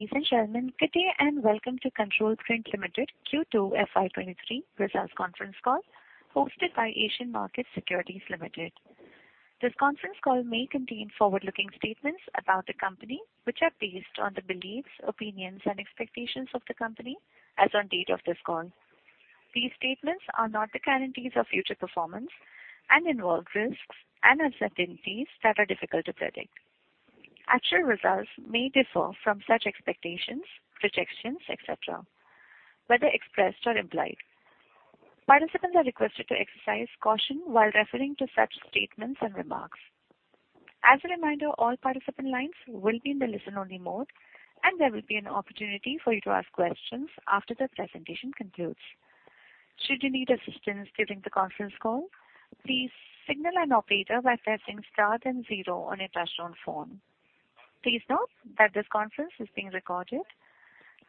Ladies and gentlemen, good day and welcome to Control Print Limited Q2 FY 2023 results conference call hosted by Asian Markets Securities Private Limited. This conference call may contain forward-looking statements about the company, which are based on the beliefs, opinions, and expectations of the company as on date of this call. These statements are not the guarantees of future performance and involve risks and uncertainties that are difficult to predict. Actual results may differ from such expectations, projections, et cetera, whether expressed or implied. Participants are requested to exercise caution while referring to such statements and remarks. As a reminder, all participant lines will be in the listen-only mode, and there will be an opportunity for you to ask questions after the presentation concludes. Should you need assistance during the conference call, please signal an operator by pressing star then zero on your touchtone phone. Please note that this conference is being recorded.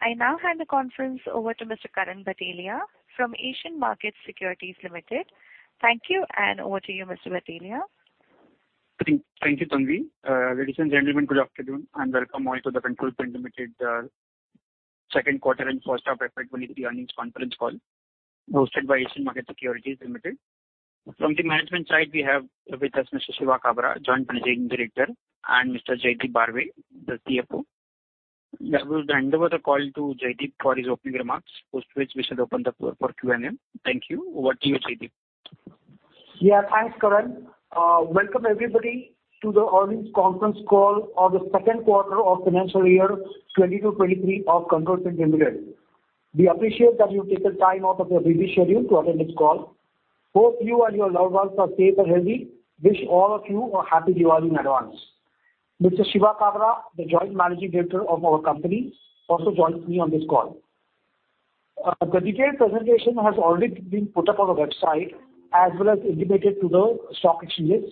I now hand the conference over to Mr. Karan Bhatelia from Asian Markets Securities Private Limited. Thank you, and over to you, Mr. Bhatelia. Thank you, Tanvi. Ladies and gentlemen, good afternoon, and welcome all to the Control Print Limited Q2 and H1 FY 2023 earnings conference call hosted by Asian Markets Securities Private Limited. From the management side, we have with us Mr. Shiva Kabra, Joint Managing Director, and Mr. Jaideep Barve, the CFO. I will hand over the call to Jaideep for his opening remarks, after which we shall open the floor for Q&A. Thank you. Over to you, Jaideep. Yeah. Thanks, Karan. Welcome everybody to the earnings conference call of the Q2 of financial year 2022-2023 of Control Print Limited. We appreciate that you took the time out of your busy schedule to attend this call. Hope you and your loved ones are safe and healthy. Wish all of you a happy Diwali in advance. Mr. Shiva Kabra, the Joint Managing Director of our company, also joins me on this call. The detailed presentation has already been put up on our website as well as intimated to the stock exchanges.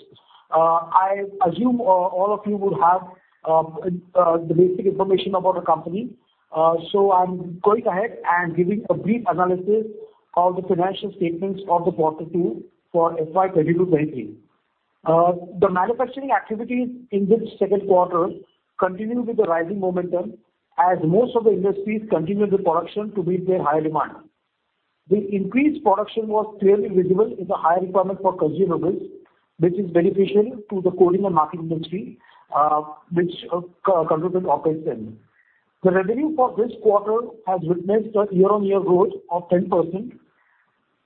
I assume all of you would have the basic information about the company. I'm going ahead and giving a brief analysis of the financial statements of the quarter two for FY 2022-2023. The manufacturing activities in this Q2 continued with the rising momentum as most of the industries continued the production to meet their high demand. The increased production was clearly visible in the higher requirement for consumables, which is beneficial to the coding and marking industry, which Control Print operates in. The revenue for this quarter has witnessed a year-on-year growth of 10%.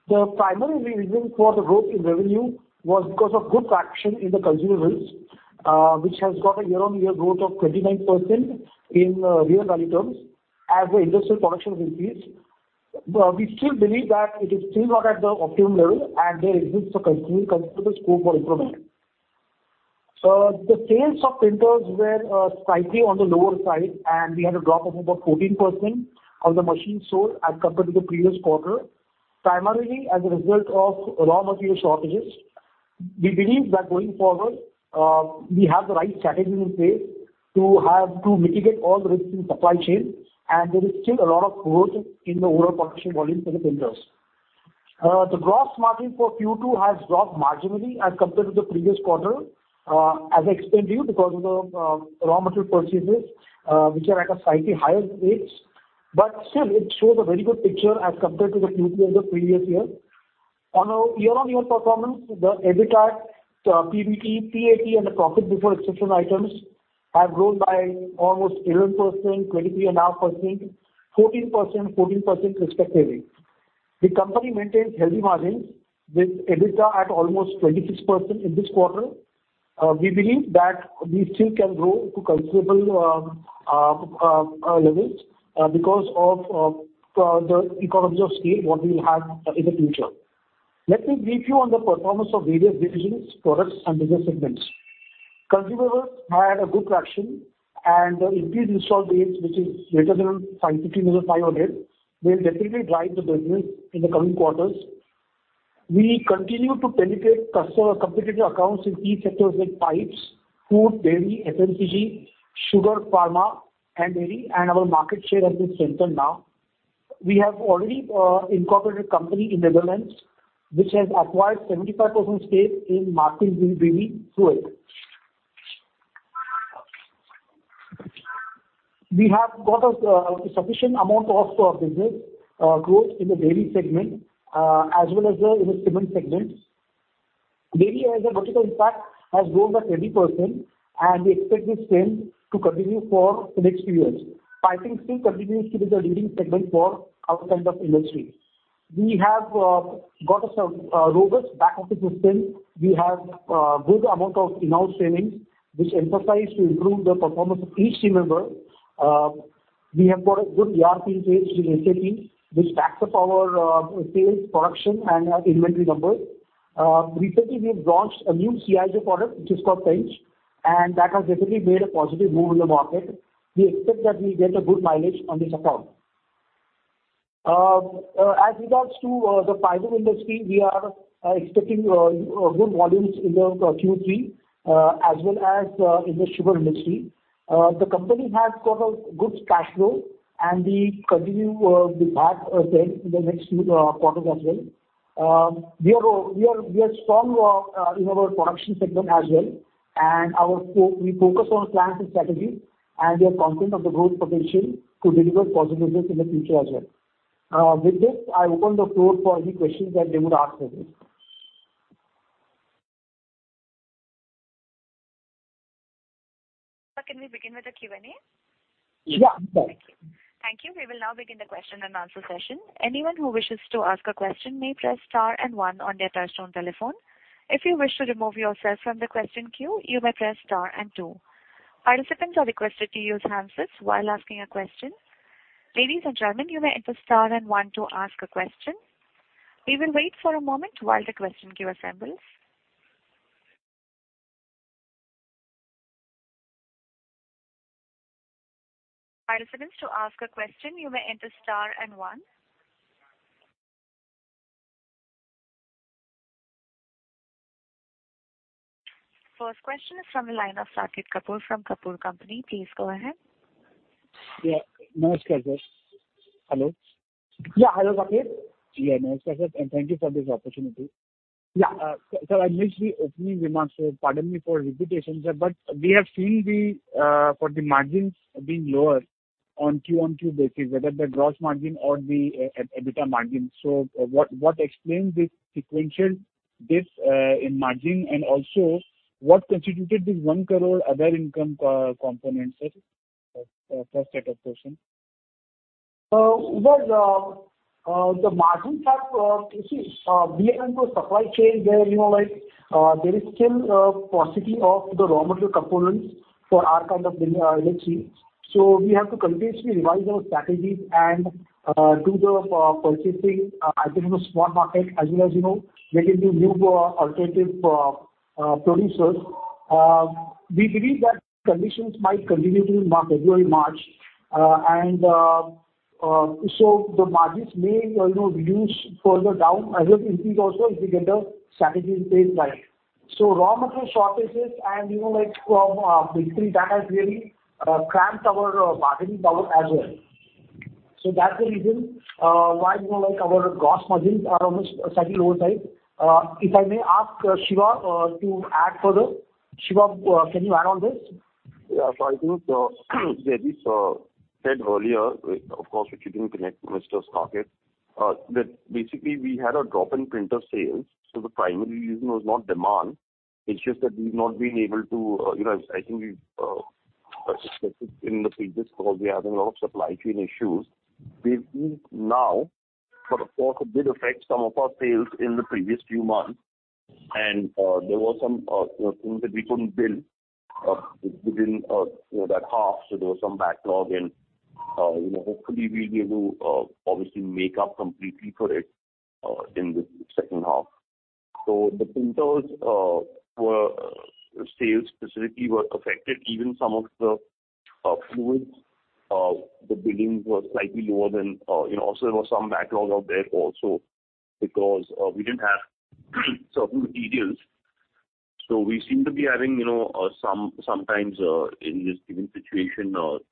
The primary reason for the growth in revenue was because of good traction in the consumables, which has got a year-on-year growth of 29% in real value terms as the industrial production increased. We still believe that it is still not at the optimum level, and there exists a considerable scope for improvement. The sales of printers were slightly on the lower side, and we had a drop of about 14% of the machines sold as compared to the previous quarter, primarily as a result of raw material shortages. We believe that going forward, we have the right strategy in place to have to mitigate all the risks in supply chain, and there is still a lot of growth in the overall production volume for the printers. The gross margin for Q2 has dropped marginally as compared to the previous quarter, as I explained to you because of the raw material purchases, which are at a slightly higher rates. Still, it shows a very good picture as compared to the Q2 of the previous year. On a year-on-year performance, the EBITDA, PBT, PAT, and the profit before exception items have grown by almost 11%, 23.5%, 14%, 14% respectively. The company maintains healthy margins with EBITDA at almost 26% in this quarter. We believe that we still can grow to considerable levels because of the economies of scale what we will have in the future. Let me brief you on the performance of various divisions, products, and business segments. Consumables had a good traction and the increased installed base, which is greater than 5,500, will definitely drive the business in the coming quarters. We continue to penetrate customer competitive accounts in key sectors like pipes, food, dairy, FMCG, sugar, pharma, and dairy, and our market share has been strengthened now. We have already incorporated company in Netherlands, which has acquired 75% stake in Markprint B.V. through it. We have got a sufficient amount of business growth in the dairy segment as well as in the cement segments. Dairy as a vertical impact has grown by 20%, and we expect the same to continue for the next few years. Piping still continues to be the leading segment for our kind of industry. We have got a robust back office system. We have a good amount of in-house trainings which emphasize to improve the performance of each team member. We have got a good ERP in place with SAP, which backs up our sales, production, and our inventory numbers. Recently we've launched a new CIJ product which is called Bench, and that has definitely made a positive move in the market. We expect that we'll get a good mileage on this account. As regards to the piping industry, we are expecting good volumes in the Q3 as well as in the sugar industry. The company has got a good cash flow. We continue the path set in the next few quarters as well. We are strong in our production segment as well, and we focus on plans and strategy, and we are confident of the growth potential to deliver positive results in the future as well. With this, I open the floor for any questions that they would ask of us. Can we begin with the Q&A? Yeah. Thank you. Thank you. We will now begin the question and answer session. Anyone who wishes to ask a question may press star and one on their touch-tone telephone. If you wish to remove yourself from the question queue, you may press star and two. Participants are requested to use handsets while asking a question. Ladies and gentlemen, you may enter star and one to ask a question. We will wait for a moment while the question queue assembles. Participants, to ask a question, you may enter star and one. First question is from the line of Saket Kapoor from Kapoor & Company. Please go ahead. Yeah. Namaskar, sir. Hello? Yeah. Hello, Saket. Yeah. Namaskar, sir, and thank you for this opportunity. Yeah. I missed the opening remarks, so pardon me for repetition, sir, but we have seen the margins being lower on Q1-on-Q2 basis, whether the gross margin or the EBITDA margin. What explains this sequential dip in margin? Also, what constituted the 1 crore other income components, sir? First set of question. Well, the margins have, you see, we are into a supply chain where, you know, like, there is still possibility of the raw material components for our kind of the LED. We have to continuously revise our strategies and do the purchasing either from the spot market as well as, you know, making the new alternative producers. We believe that conditions might continue till March, February, March. The margins may, you know, reduce further down as well as increase also if we get the strategies in place right. Raw material shortages and, you know, like from big three, that has really cramped our bargaining power as well. That's the reason why, you know, like, our gross margins are on the slightly lower side. If I may ask Shiva to add further. Shiva, can you add on this? Yeah. I think Jaideep said earlier, of course, which you didn't connect, Mr. Saket Kapoor, that basically we had a drop in printer sales, so the primary reason was not demand. It's just that we've not been able to, you know, I think we've discussed it in the previous call. We're having a lot of supply chain issues. We've seen now for the quarter, it did affect some of our sales in the previous few months. You know, things that we couldn't build within, you know, that half, so there was some backlog. You know, hopefully we'll be able to obviously make up completely for it in the H2. The printer sales specifically were affected. Even some of the fluids, the billings were slightly lower than you know. Also, there was some backlog out there also because we didn't have certain materials. We seem to be having, you know, some surprises sometimes in this given situation, either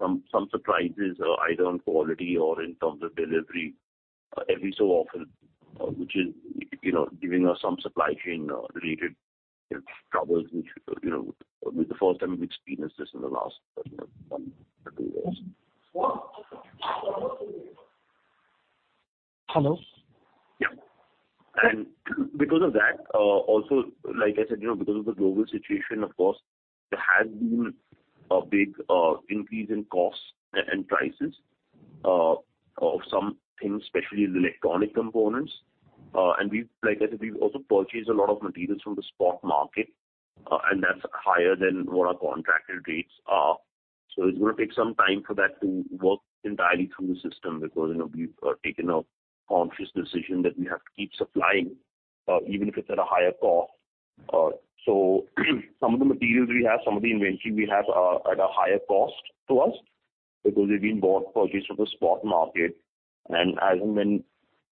on quality or in terms of delivery every so often, which is, you know, giving us some supply chain related troubles, which, you know, this is the first time we've experienced this in the last, you know, one or two years. Hello? Yeah. Because of that, also, like I said, you know, because of the global situation, of course, there has been a big increase in costs and prices of some things, especially the electronic components. We've also purchased a lot of materials from the spot market, and that's higher than what our contracted rates are. It's gonna take some time for that to work entirely through the system because, you know, we've taken a conscious decision that we have to keep supplying, even if it's at a higher cost. So some of the materials we have, some of the inventory we have are at a higher cost to us because they've been bought, purchased from the spot market. As and when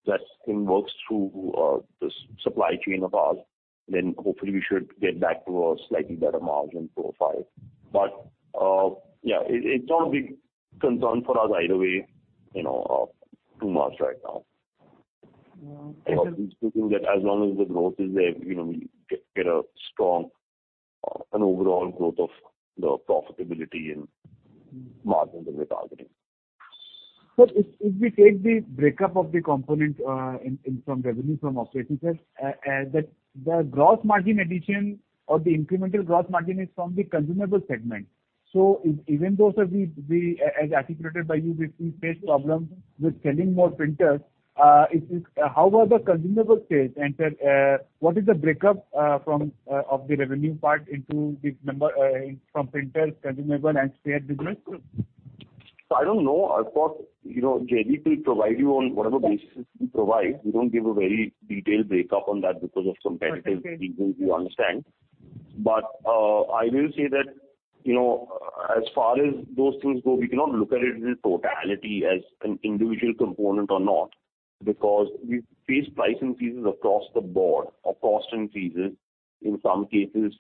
that thing works through the supply chain of ours, then hopefully we should get back to a slightly better margin profile. Yeah, it's not a big concern for us either way, you know, too much right now. Yeah. We're seeing that as long as the growth is there, you know, we get a strong overall growth of the profitability and margins that we're targeting. Sir, if we take the breakup of the component in the revenue from operating sales, the gross margin addition or the incremental gross margin is from the consumables segment. Even though, sir, as articulated by you, we face problems with selling more printers, how are the consumables sales? Sir, what is the breakup of the revenue part into this number from printers, consumables, and spares business? I don't know. Of course, you know, JD will provide you on whatever basis he provides. We don't give a very detailed breakup on that because of competitive reasons, you understand. I will say that, you know, as far as those things go, we cannot look at it in totality as an individual component or not, because we face price increases across the board or cost increases in some cases,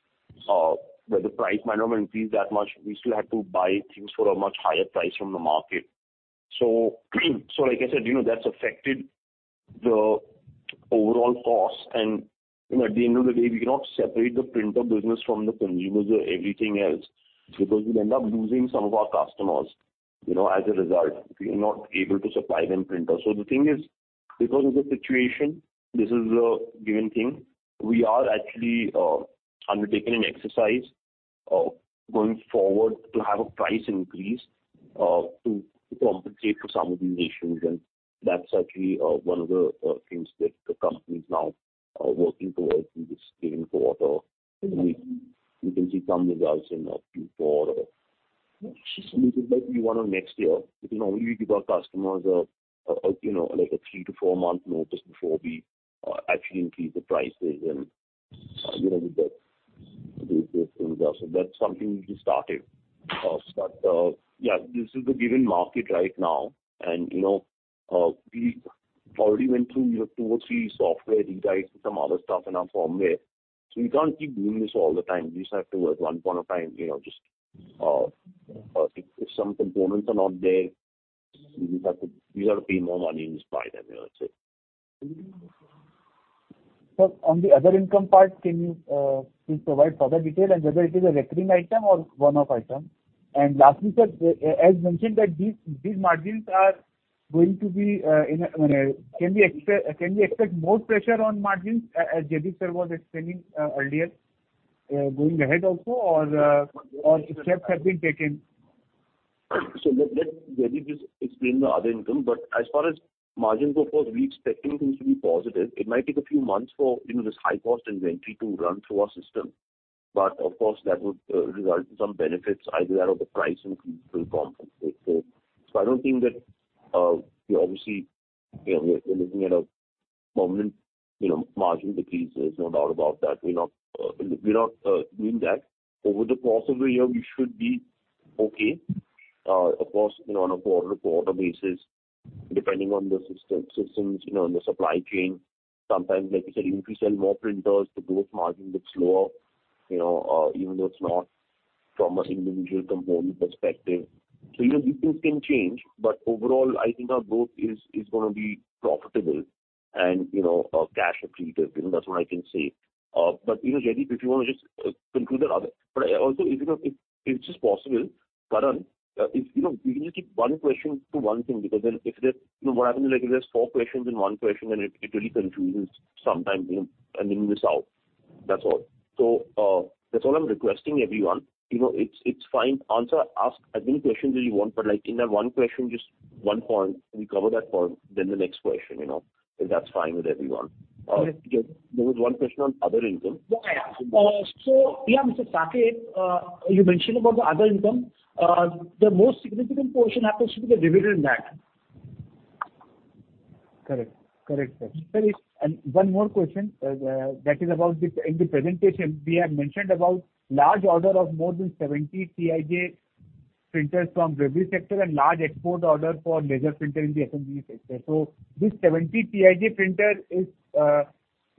where the price might not increase that much, we still have to buy things for a much higher price from the market. So like I said, you know, that's affected the overall cost. You know, at the end of the day, we cannot separate the printer business from the consumables or everything else because we'll end up losing some of our customers, you know, as a result if we're not able to supply them printers. The thing is, because of the situation, this is a given thing. We are actually undertaking an exercise of going forward to have a price increase to compensate for some of these issues. That's actually one of the things that the company is now working towards in this current quarter. We can see some results in Q4 or maybe even on next year. Because normally we give our customers a, you know, like a three-four-month notice before we actually increase the prices and, you know, with the results. That's something we just started. Yeah, this is the given market right now. You know, we already went through, you know, two or three software rewrites and some other stuff in our firmware. We can't keep doing this all the time. We just have to, at one point of time, you know, just, if some components are not there, we just have to pay more money and just buy them, you know. That's it. Sir, on the other income part, can you please provide further detail and whether it is a recurring item or one-off item? Lastly, sir, as mentioned that these margins are going to be. Can we expect more pressure on margins as Jaideep sir was explaining earlier going ahead also or steps have been taken? Let Jaideep just explain the other income. As far as margins, of course, we're expecting things to be positive. It might take a few months for, you know, this high-cost inventory to run through our system. Of course, that would result in some benefits either out of the price increase will compensate. I don't think that we obviously, you know, we're looking at a permanent, you know, margin decreases, no doubt about that. We're not doing that. Over the course of a year, we should be okay. Of course, you know, on a quarter-to-quarter basis, depending on the systems, you know, and the supply chain, sometimes, like you said, if we sell more printers, the gross margin looks lower, you know, even though it's not from an individual component perspective. You know, these things can change, but overall, I think our growth is gonna be profitable and, you know, cash accretive. You know, that's what I can say. But, you know, Jaideep, if you wanna just conclude that other. But also, if, you know, if it's just possible, Karan, if, you know, we can just keep one question to one thing, because then if there's you know, what happens is like if there's four questions in one question, then it really confuses sometimes, you know, and then miss out. That's all. That's all I'm requesting everyone. You know, it's fine. Ask as many questions as you want, but like in that one question, just one point, we cover that point, then the next question, you know. If that's fine with everyone. Jaideep, there was one question on other income. Mr. Saket, you mentioned about the other income. The most significant portion happens to be the dividend income. Correct. Correct, sir. Sorry. One more question that is about. In the presentation, we have mentioned about large order of more than 70 CIJ printers from railway sector and large export order for laser printer in the SME sector. This 70 CIJ printer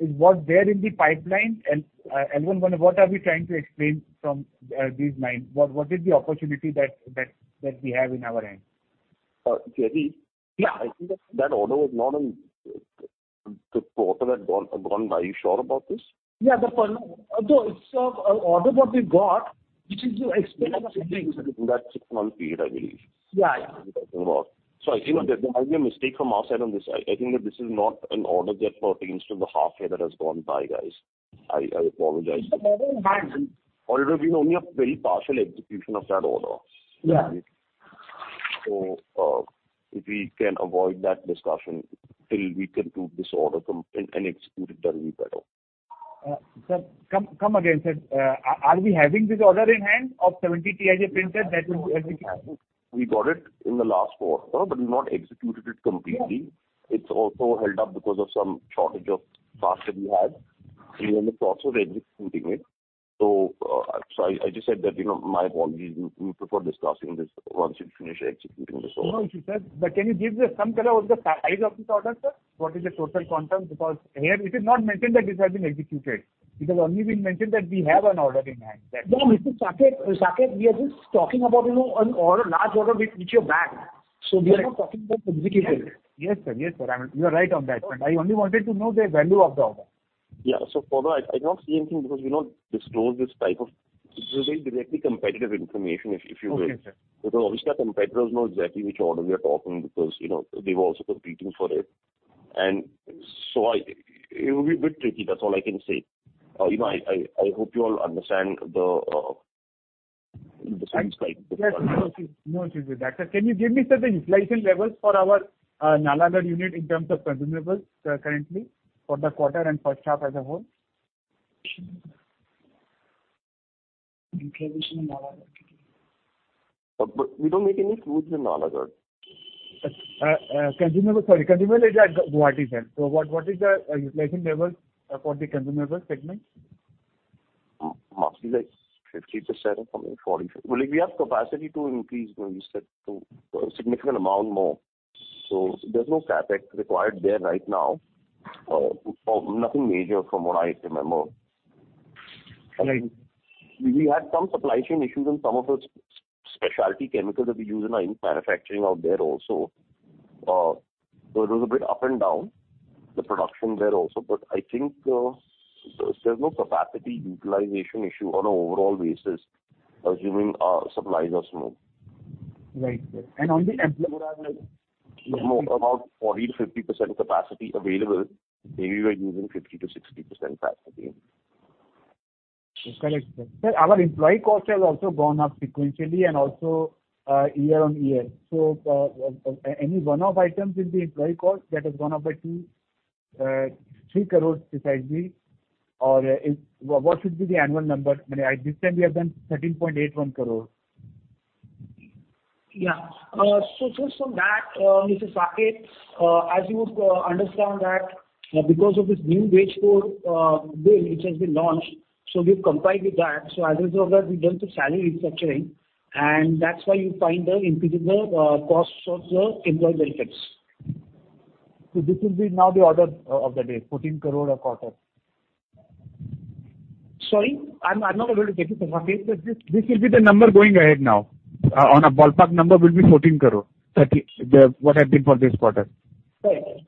was there in the pipeline? And one what are we trying to explain from these nine? What is the opportunity that we have in our hand? Jaideep. Yeah. I think that order was not in the quarter that gone by. You sure about this? Yeah. Although it's order what we got, which is to explain. That six-month period, I believe. Yeah. That's what we're talking about. I think that there might be a mistake from our side on this. I think that this is not an order that pertains to the half year that has gone by, guys. I apologize. But that is- Although we know we have very partial execution of that order. Yeah. If we can avoid that discussion till we can prove this order and execute it thoroughly better. Sir, come again, sir. Are we having this order in hand of 70 CIJ printers that we would execute? We got it in the last quarter, but we've not executed it completely. Yeah. It's also held up because of some shortage of parts that we had. Even in the process of executing it. I just said that, you know, my apologies. We prefer discussing this once you've finished executing this order. No, sir. Can you give just some color about the size of this order, sir? What is the total quantum? Because here it is not mentioned that this has been executed. It has only been mentioned that we have an order in hand. No, Mr. Saket, we are just talking about, you know, an order, large order which you bagged. Correct. We are not talking about executed. Yes, sir. You're right on that front. I only wanted to know the value of the order. Yeah. Paula, I cannot say anything because we don't disclose this type of information. This is very directly competitive information, if you will. Okay, sir. Because obviously our competitors know exactly which order we are talking because, you know, they were also competing for it. It would be a bit tricky. That's all I can say. You know, I hope you all understand the, you know, the circumstance. Yes. No issue with that, sir. Can you give me, sir, the utilization levels for our Nalagarh unit in terms of consumables, currently for the quarter and H1 as a whole? Utilization in Nalagarh. We don't make any foods in Nalagarh. Consumable, sorry, consumable is what is there. What is the utilization levels for the consumable segment? Mostly like 50% or something, 40%. Well, like, we have capacity to increase, you know, we said to a significant amount more. There's no CapEx required there right now or nothing major from what I can remember. And like- We had some supply chain issues and some of the specialty chemicals that we use in our ink manufacturing are there also. It was a bit up and down, the production there also. I think, there's no capacity utilization issue on an overall basis, assuming our supplies are smooth. Right. On the employee About 40%-50% capacity available. Maybe we're using 50%-60% capacity. Correct, sir. Sir, our employee cost has also gone up sequentially and also year-on-year. Any one-off items in the employee cost that has gone up by 2-3 crores besides the. What should be the annual number? I mean, at this time we have done 13.81 crore. Yeah. From that, Mr. Saket Kapoor, as you would understand that because of this new Wage Code Bill which has been launched, we've complied with that. As a result of that, we've done some salary restructuring, and that's why you find the increase in the costs of the employee benefits. This will be now the order of the day, 14 crore a quarter. Sorry? I'm not able to get you, Saket Kapoor. This will be the number going ahead now. On a ballpark number will be 14 crore. That is what has been for this quarter. Okay.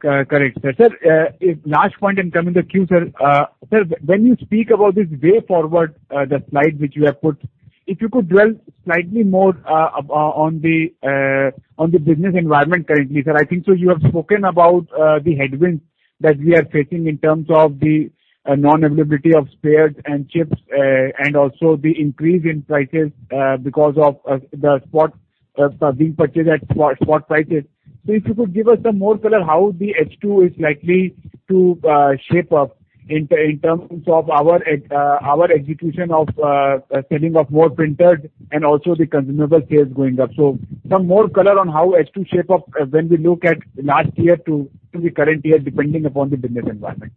Correct, sir. Sir, last point and coming to Q&A, sir. Sir, when you speak about this way forward, the slide which you have put, if you could dwell slightly more on the business environment currently, sir. I think you have spoken about the headwinds that we are facing in terms of the non-availability of spares and chips and also the increase in prices because of the spot being purchased at spot prices. If you could give us some more color how the H2 is likely to shape up in terms of our execution of selling of more printers and also the consumable sales going up. Some more color on how H2 shape up when we look at last year to the current year, depending upon the business environment.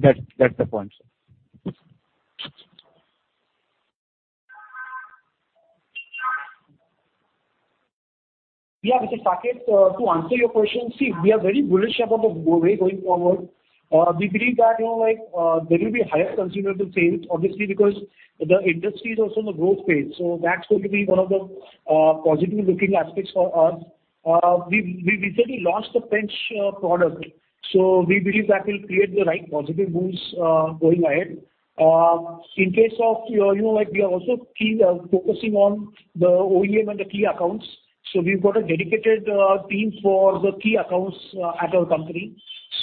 That's the point, sir. Yeah, Mr. Saket Kapoor, to answer your question, see, we are very bullish about the way going forward. We believe that, you know, like, there will be higher consumable sales, obviously, because the industry is also in the growth phase. That's going to be one of the positive looking aspects for us. We recently launched the Bench product, so we believe that will create the right positive moves going ahead. In case of, you know, like, we are also keenly focusing on the OEM and the key accounts. We've got a dedicated team for the key accounts at our company.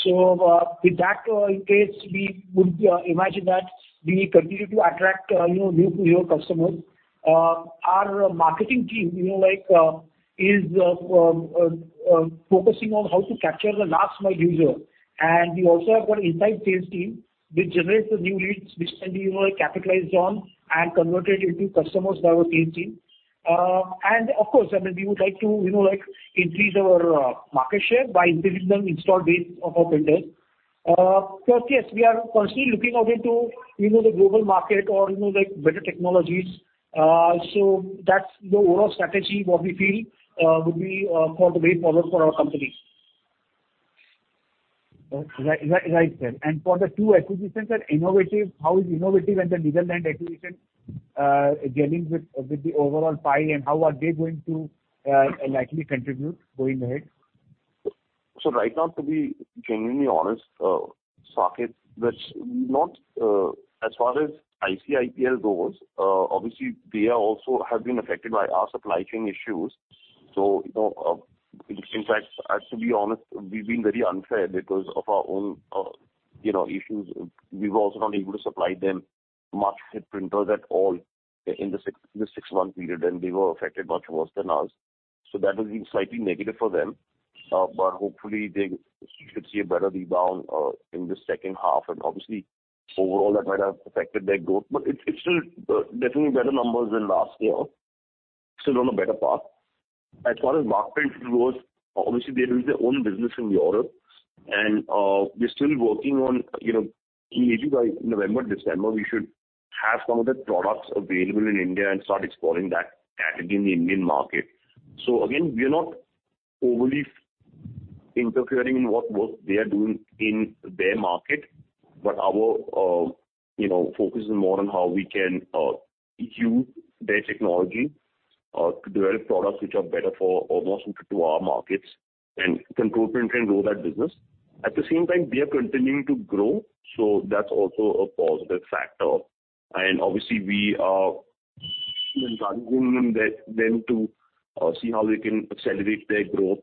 With that, in case we would imagine that we continue to attract, you know, new-to-you customers. Our marketing team, you know, like, is focusing on how to capture the last mile user. We also have got inside sales team which generates the new leads which can be, you know, capitalized on and converted into customers by our team. Of course, I mean, we would like to, you know, like, increase our market share by increasing the installed base of our printers. Plus, yes, we are constantly looking out into, you know, the global market or, you know, like, better technologies. That's the overall strategy what we feel would be for the way forward for our company. Right, sir. For the two acquisitions that Innovative—how is Innovative and the Markprint acquisition gelling with the overall pie and how are they going to likely contribute going ahead? Right now, to be genuinely honest, Saket, that's not, as far as ICIPL goes, obviously they are also have been affected by our supply chain issues. You know, in fact, to be honest, we've been very unfair because of our own, you know, issues. We were also not able to supply them much printers at all in the six-month period, and they were affected much worse than us. That has been slightly negative for them. But hopefully they should see a better rebound in the H2. Obviously overall that might have affected their growth, but it's still definitely better numbers than last year. Still on a better path. As far as Markprint B.V. goes, obviously they do their own business in Europe and, we're still working on, you know, key by November, December we should have some of the products available in India and start exploring that category in the Indian market. Again, we are not overly interfering in what work they are doing in their market, but our, you know, focus is more on how we can use their technology to develop products which are better for or more suited to our markets and Control Print and grow that business. At the same time we are continuing to grow, so that's also a positive factor. Obviously we are encouraging them to see how they can accelerate their growth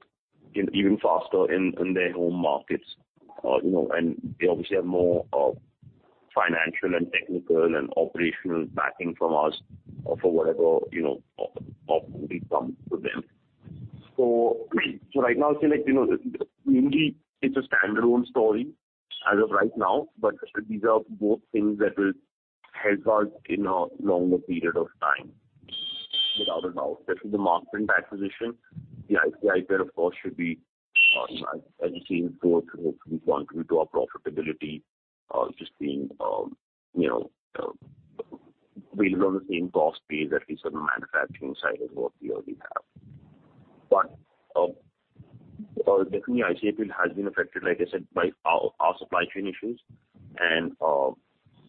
even faster in their home markets. You know, they obviously have more financial and technical and operational backing from us for whatever, you know, opportunity comes to them. Right now it's like, you know, mainly it's a standalone story as of right now, but these are both things that will help us in a longer period of time. Without a doubt. This is the Markprint acquisition. The ICIPL, of course, should be, as you say, grow to hopefully contribute to our profitability, just being, you know, build on the same cost base, at least on the manufacturing side as what we already have. Definitely ICIPL has been affected, like I said, by our supply chain issues and,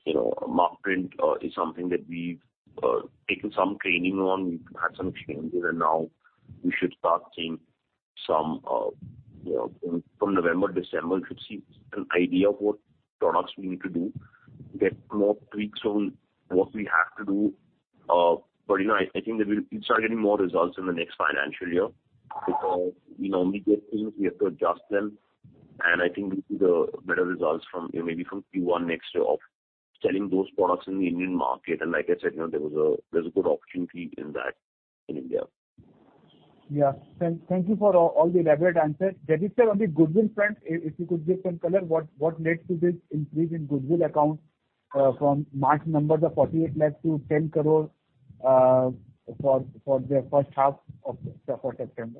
you know, Markprint is something that we've taken some training on. We've had some exchanges, and now we should start seeing some, you know, from November, December, we should see an idea of what products we need to do, get more tweaks on what we have to do. But, you know, I think that we'll start getting more results in the next financial year because we normally get things, we have to adjust them, and I think we'll see the better results from, you know, maybe from Q1 next year of selling those products in the Indian market. Like I said, you know, there's a good opportunity in that in India. Thank you for all the elaborate answers. Mr. Jaideep Barve, on the goodwill front, if you could give some color, what led to this increase in goodwill accounts from March number, the 48 lakh to 10 crore for the H1 of September?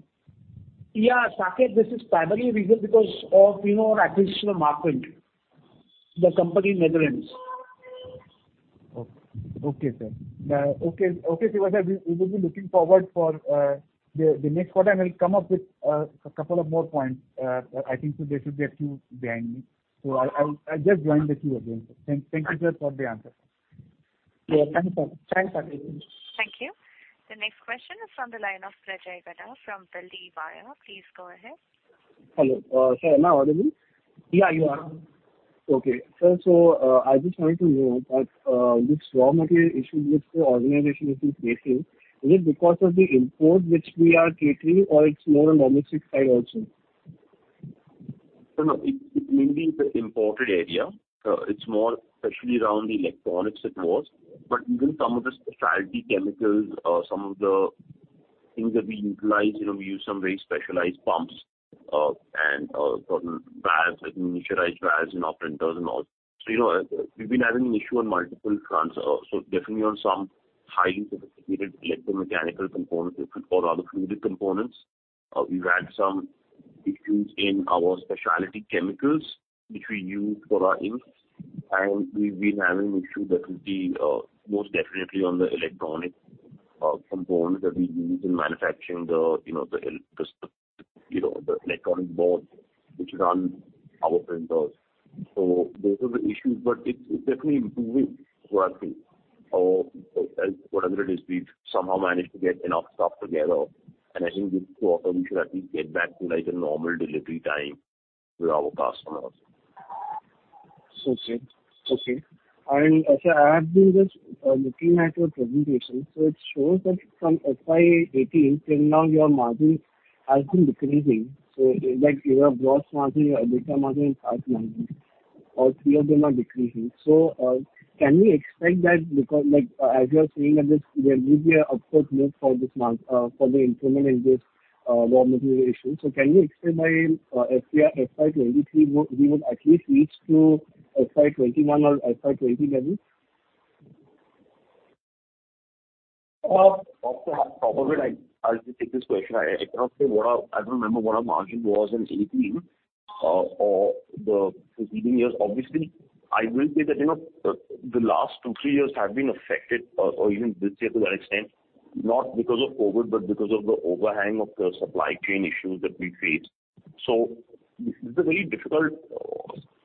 Yeah, Saket, this is primary reason because of, you know, our acquisition of Markprint B.V., the company in the Netherlands. Okay, Shiva sir. We will be looking forward for the next quarter, and I'll come up with a couple of more points. I think there should be a queue behind me. So I'll just join the queue again, sir. Thank you, sir, for the answers. Yeah. Thanks, Saket. Thank you. The next question is from the line of Prajval Gada from Control Print Limited. Please go ahead. Hello. Sir, am I audible? Yeah, you are. Sir, I just wanted to know that this raw material issue which the organization is facing, is it because of the import which we are catering or it's more on domestic side also? No, no. It mainly is the imported area. It's more especially around the electronics it was. But even some of the specialty chemicals, some of the things that we utilize, you know, we use some very specialized pumps, and certain valves, like miniaturized valves in our printers and all. So, you know, we've been having an issue on multiple fronts. So definitely on some highly sophisticated electromechanical components or rather fluidic components. We've had some issues in our specialty chemicals which we use for our inks. And we've been having an issue that would be most definitely on the electronic components that we use in manufacturing the, you know, the electronic boards which run our printers. So those are the issues, but it's definitely improving is what I feel. Whatever it is, we've somehow managed to get enough stuff together, and I think with Q4 we should at least get back to like a normal delivery time with our customers. So soon. Sir, I have been just looking at your presentation. It shows that from FY 2018 till now, your margin has been decreasing. Like your gross margin, your EBITDA margin and PAT margin, all three of them are decreasing. Can we expect that because like as you are saying that this, there will be an upward move for the improvement in this raw material issue. Can we expect by FY 2023, we would at least reach to FY 2021 or FY 2020 levels? I'll just take this question. I cannot say what our margin was in 2018 or the preceding years. I don't remember. Obviously, I will say that, you know, the last two, three years have been affected or even this year to that extent, not because of COVID, but because of the overhang of the supply chain issues that we faced. This is a very difficult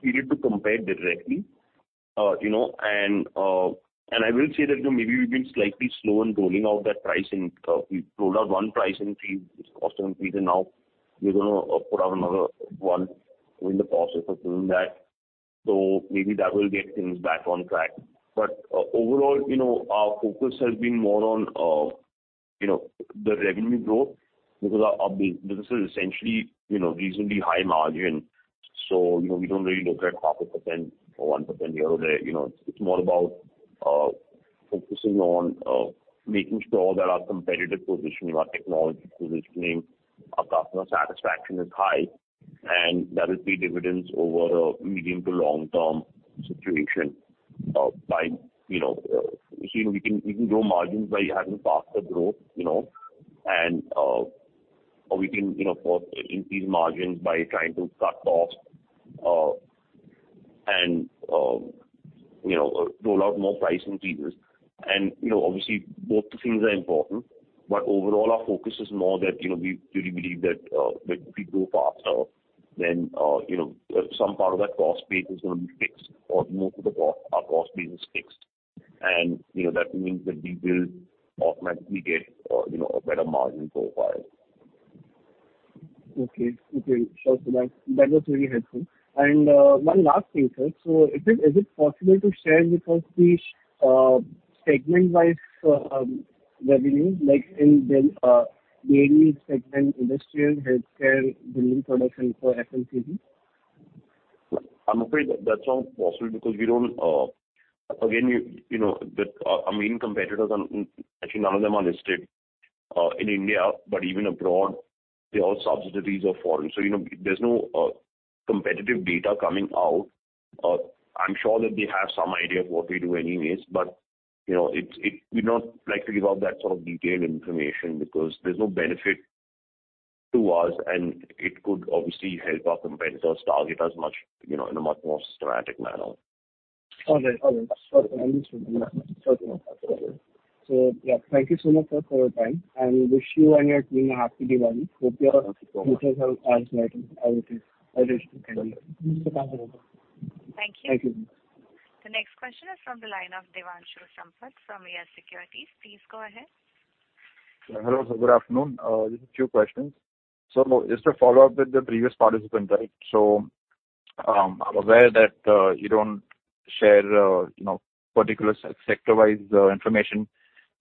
period to compare directly. You know, I will say that, you know, maybe we've been slightly slow in rolling out that pricing. We've rolled out one price increase, this cost increase, and now we're gonna put out another one. We're in the process of doing that. Maybe that will get things back on track. Overall, you know, our focus has been more on you know, the revenue growth because our business is essentially, you know, reasonably high margin. You know, we don't really look at 0.5% or 1% here or there. You know, it's more about focusing on making sure that our competitive positioning, our technology positioning, our customer satisfaction is high, and that will pay dividends over a medium- to long-term situation. We can grow margins by having faster growth, you know, and or we can, you know, of course, increase margins by trying to cut costs and you know, roll out more price increases. You know, obviously both the things are important, but overall our focus is more that, you know, we really believe that, when we grow faster than, you know, some part of that cost base is gonna be fixed or more to the cost, our cost base is fixed. You know, that means that we will automatically get, you know, a better margin profile. Okay. Sure, sir. That was very helpful. One last thing, sir. Is it possible to share with us the segment-wise revenue, like in the AD segment, industrial, healthcare, building products and for FMCG? I'm afraid that's not possible because we don't. Again, you know, our main competitors are actually none of them are listed in India, but even abroad, they are subsidiaries of foreign. So, you know, there's no competitive data coming out. I'm sure that they have some idea of what we do anyways, but, you know, we don't like to give out that sort of detailed information because there's no benefit to us, and it could obviously help our competitors target us much, you know, in a much more systematic manner. All right. I understand. Yeah, thank you so much, sir, for your time and wish you and your team a happy Diwali. Thank you so much. Business has as merry as it is. I wish you well. Thank you. The next question is from the line of Devanshu Sampat from Yes Securities. Please go ahead. Hello, sir. Good afternoon. Just a few questions. Just to follow up with the previous participant, right. I'm aware that you don't share you know particular sector-wise information,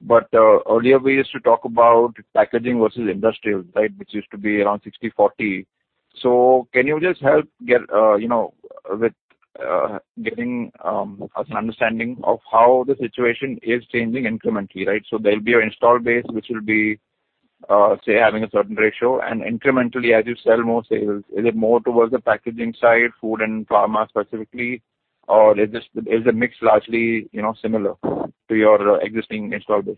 but earlier we used to talk about packaging versus industrial, right? Which used to be around 60/40. Can you just help get you know with getting an understanding of how the situation is changing incrementally, right. There'll be your install base, which will be say having a certain ratio and incrementally as you sell more sales, is it more towards the packaging side, food and pharma specifically, or is the mix largely you know similar to your existing install base?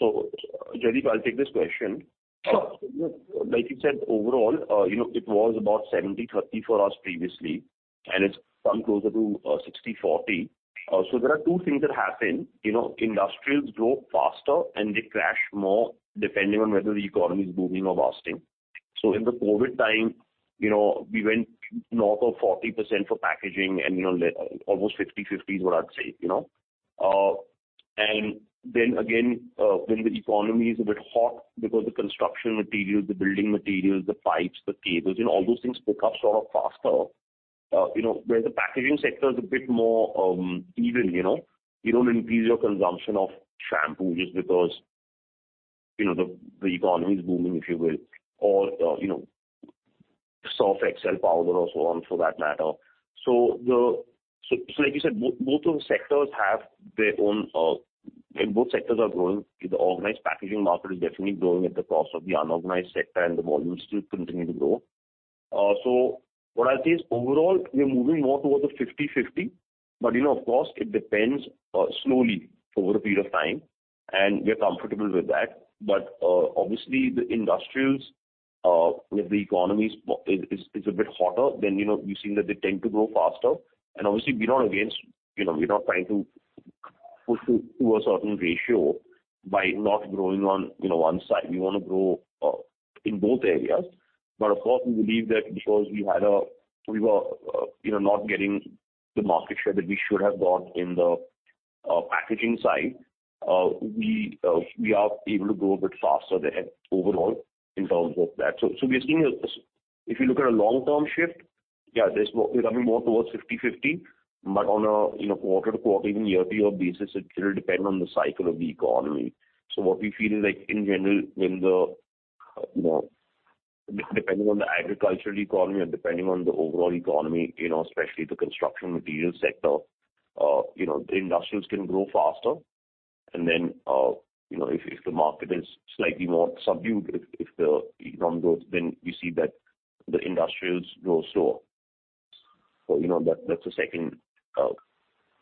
Jaideep, I'll take this question. Sure. Like you said, overall, you know, it was about 70/30 for us previously, and it's come closer to, you know, 60/40. There are two things that happen. You know, industrials grow faster and they crash more depending on whether the economy is booming or busting. In the COVID time, you know, we went north of 40% for packaging and, you know, almost 50/50 is what I'd say, you know. When the economy is a bit hot because the construction materials, the building materials, the pipes, the cables, you know, all those things pick up sort of faster. You know, whereas the packaging sector is a bit more even, you know. You don't increase your consumption of shampoo just because, you know, the economy is booming, if you will, or, you know, Surf Excel powder or so on for that matter. Like you said, both of the sectors have their own. Both sectors are growing. The organized packaging market is definitely growing at the cost of the unorganized sector, and the volume still continue to grow. What I'll say is overall, we are moving more towards the 50/50. You know, of course, it depends slowly over a period of time, and we are comfortable with that. Obviously, the industrials, if the economy is a bit hotter, then, you know, we've seen that they tend to grow faster. Obviously, we're not against, you know, we're not trying to push to a certain ratio by not growing on, you know, one side. We wanna grow in both areas. Of course, we believe that because we were, you know, not getting the market share that we should have got in the packaging side, we are able to grow a bit faster there overall in terms of that. So we are seeing a long-term shift. If you look at a long-term shift, yeah, we're coming more towards 50/50. On a, you know, quarter-to-quarter, even year-to-year basis, it will depend on the cycle of the economy. What we feel is like in general when the, you know, depending on the agricultural economy or depending on the overall economy, you know, especially the construction material sector, you know, the industrials can grow faster. Then, you know, if the market is slightly more subdued, if the economy goes, then we see that the industrials grow slow. You know, that's the second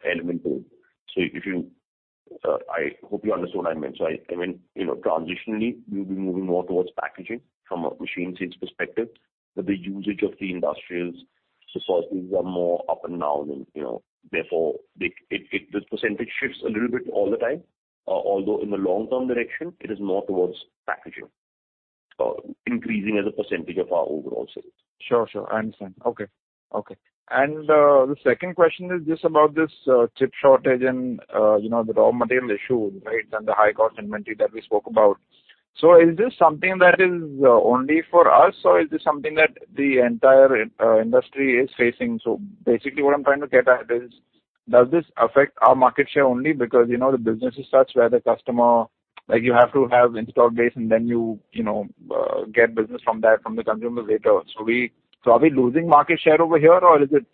element to it. If you... I hope you understood what I meant. I meant, you know, transitionally we'll be moving more towards packaging from a machine sales perspective, but the usage of the industrials resources are more up and down than, you know. Therefore, it, the percentage shifts a little bit all the time. Although in the long term direction it is more towards packaging, increasing as a percentage of our overall sales. Sure. I understand. Okay. The second question is just about this chip shortage and, you know, the raw material issue, right, and the high cost inventory that we spoke about. Is this something that is only for us or is this something that the entire industry is facing? Basically what I'm trying to get at is, does this affect our market share only because, you know, the business is such where the customer, like, you have to have installed base and then you know, get business from that, from the consumers later. Are we losing market share over here or is it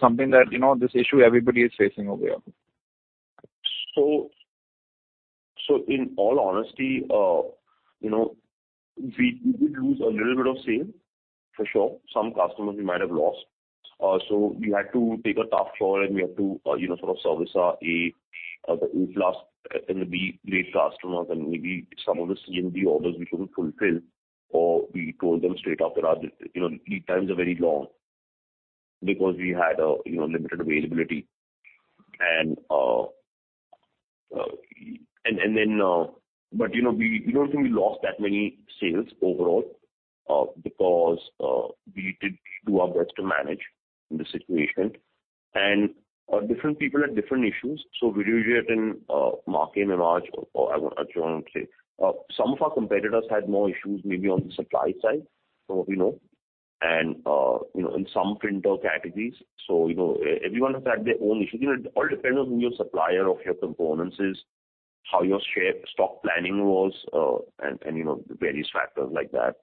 something that, you know, this issue everybody is facing over here? In all honesty, you know, we did lose a little bit of sale for sure. Some customers we might have lost. We had to take a tough call and we had to sort of service our A, the A plus and the B late customers and maybe some of the C and D orders we couldn't fulfill or we told them straight up that our, you know, lead times are very long because we had a, you know, limited availability. You know we don't think we lost that many sales overall, because we did do our best to manage the situation and different people had different issues. Vidush, in the market, I mean, or I wanna say, some of our competitors had more issues maybe on the supply side, you know, and you know, in some printer categories. You know, everyone has had their own issues. You know, it all depends on who your supplier of your components is, how your spare stock planning was, and you know, various factors like that.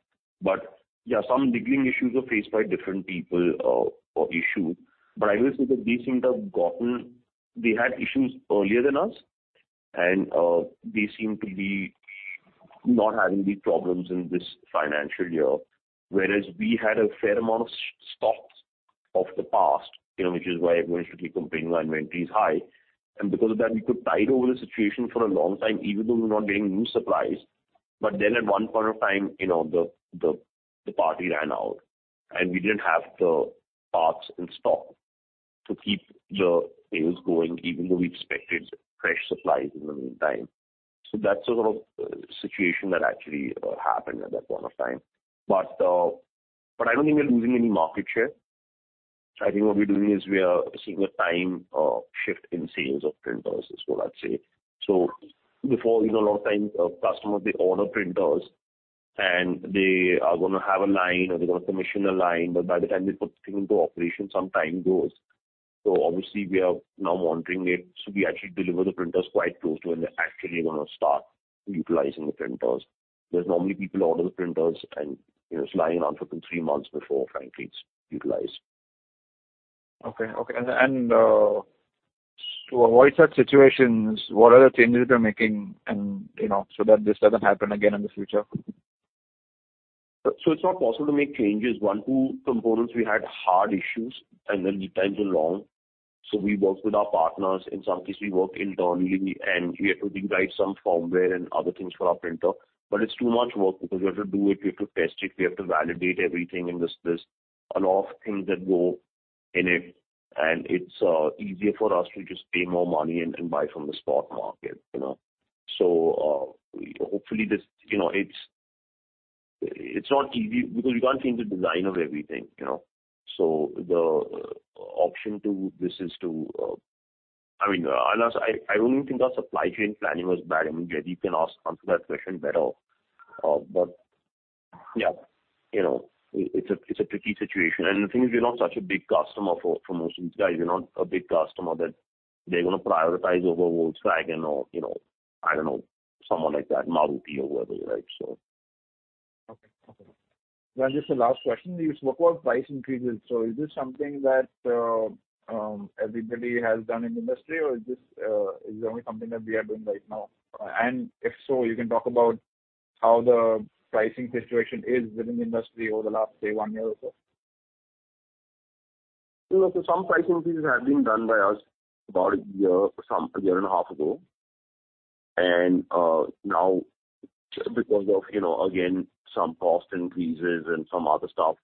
Yeah, some niggling issues were faced by different people, or issues. I will say that these things have gotten. They had issues earlier than us, and they seem to be not having these problems in this financial year, whereas we had a fair amount of stocks of the past, you know, which is why everybody should be complaining why inventory is high. Because of that, we could tide over the situation for a long time, even though we're not getting new supplies. At one point of time, you know, the party ran out and we didn't have the parts in stock to keep the sales going, even though we expected fresh supplies in the meantime. That's the sort of situation that actually happened at that point of time. I don't think we're losing any market share. I think what we're doing is we are seeing a time shift in sales of printers is what I'd say. Before, you know, a lot of times, customers, they order printers and they are gonna have a line or they're gonna commission a line, but by the time they put the thing into operation, some time goes. Obviously we are now monitoring it. We actually deliver the printers quite close to when they're actually gonna start utilizing the printers, because normally people order the printers and, you know, it's lying around for two, three months before frankly it's utilized. Okay. To avoid such situations, what are the changes you are making and, you know, so that this doesn't happen again in the future? It's not possible to make changes. One or two components, we had hard issues and the lead times were long. We worked with our partners. In some cases we worked internally and we had to rewrite some firmware and other things for our printer. But it's too much work because we have to do it, we have to test it, we have to validate everything and this. A lot of things that go in it, and it's easier for us to just pay more money and buy from the spot market, you know. Hopefully this, you know, it's not easy because you can't change the design of everything, you know. I mean, unless I don't even think our supply chain planning was bad. I mean, Jaideep can answer that question better. Yeah, you know, it's a tricky situation. The thing is, we're not such a big customer for most of these guys. We're not a big customer that they're gonna prioritize over Volkswagen or, you know, I don't know, someone like that, Maruti or whatever, right? Okay. Just a last question. You spoke about price increases. Is this something that everybody has done in the industry or is this the only company that we are doing right now? If so, you can talk about how the pricing situation is within the industry over the last, say, one year or so. You know, some price increases have been done by us about a year, some a year and a half ago. Now because of, you know, again, some cost increases and some other stuff,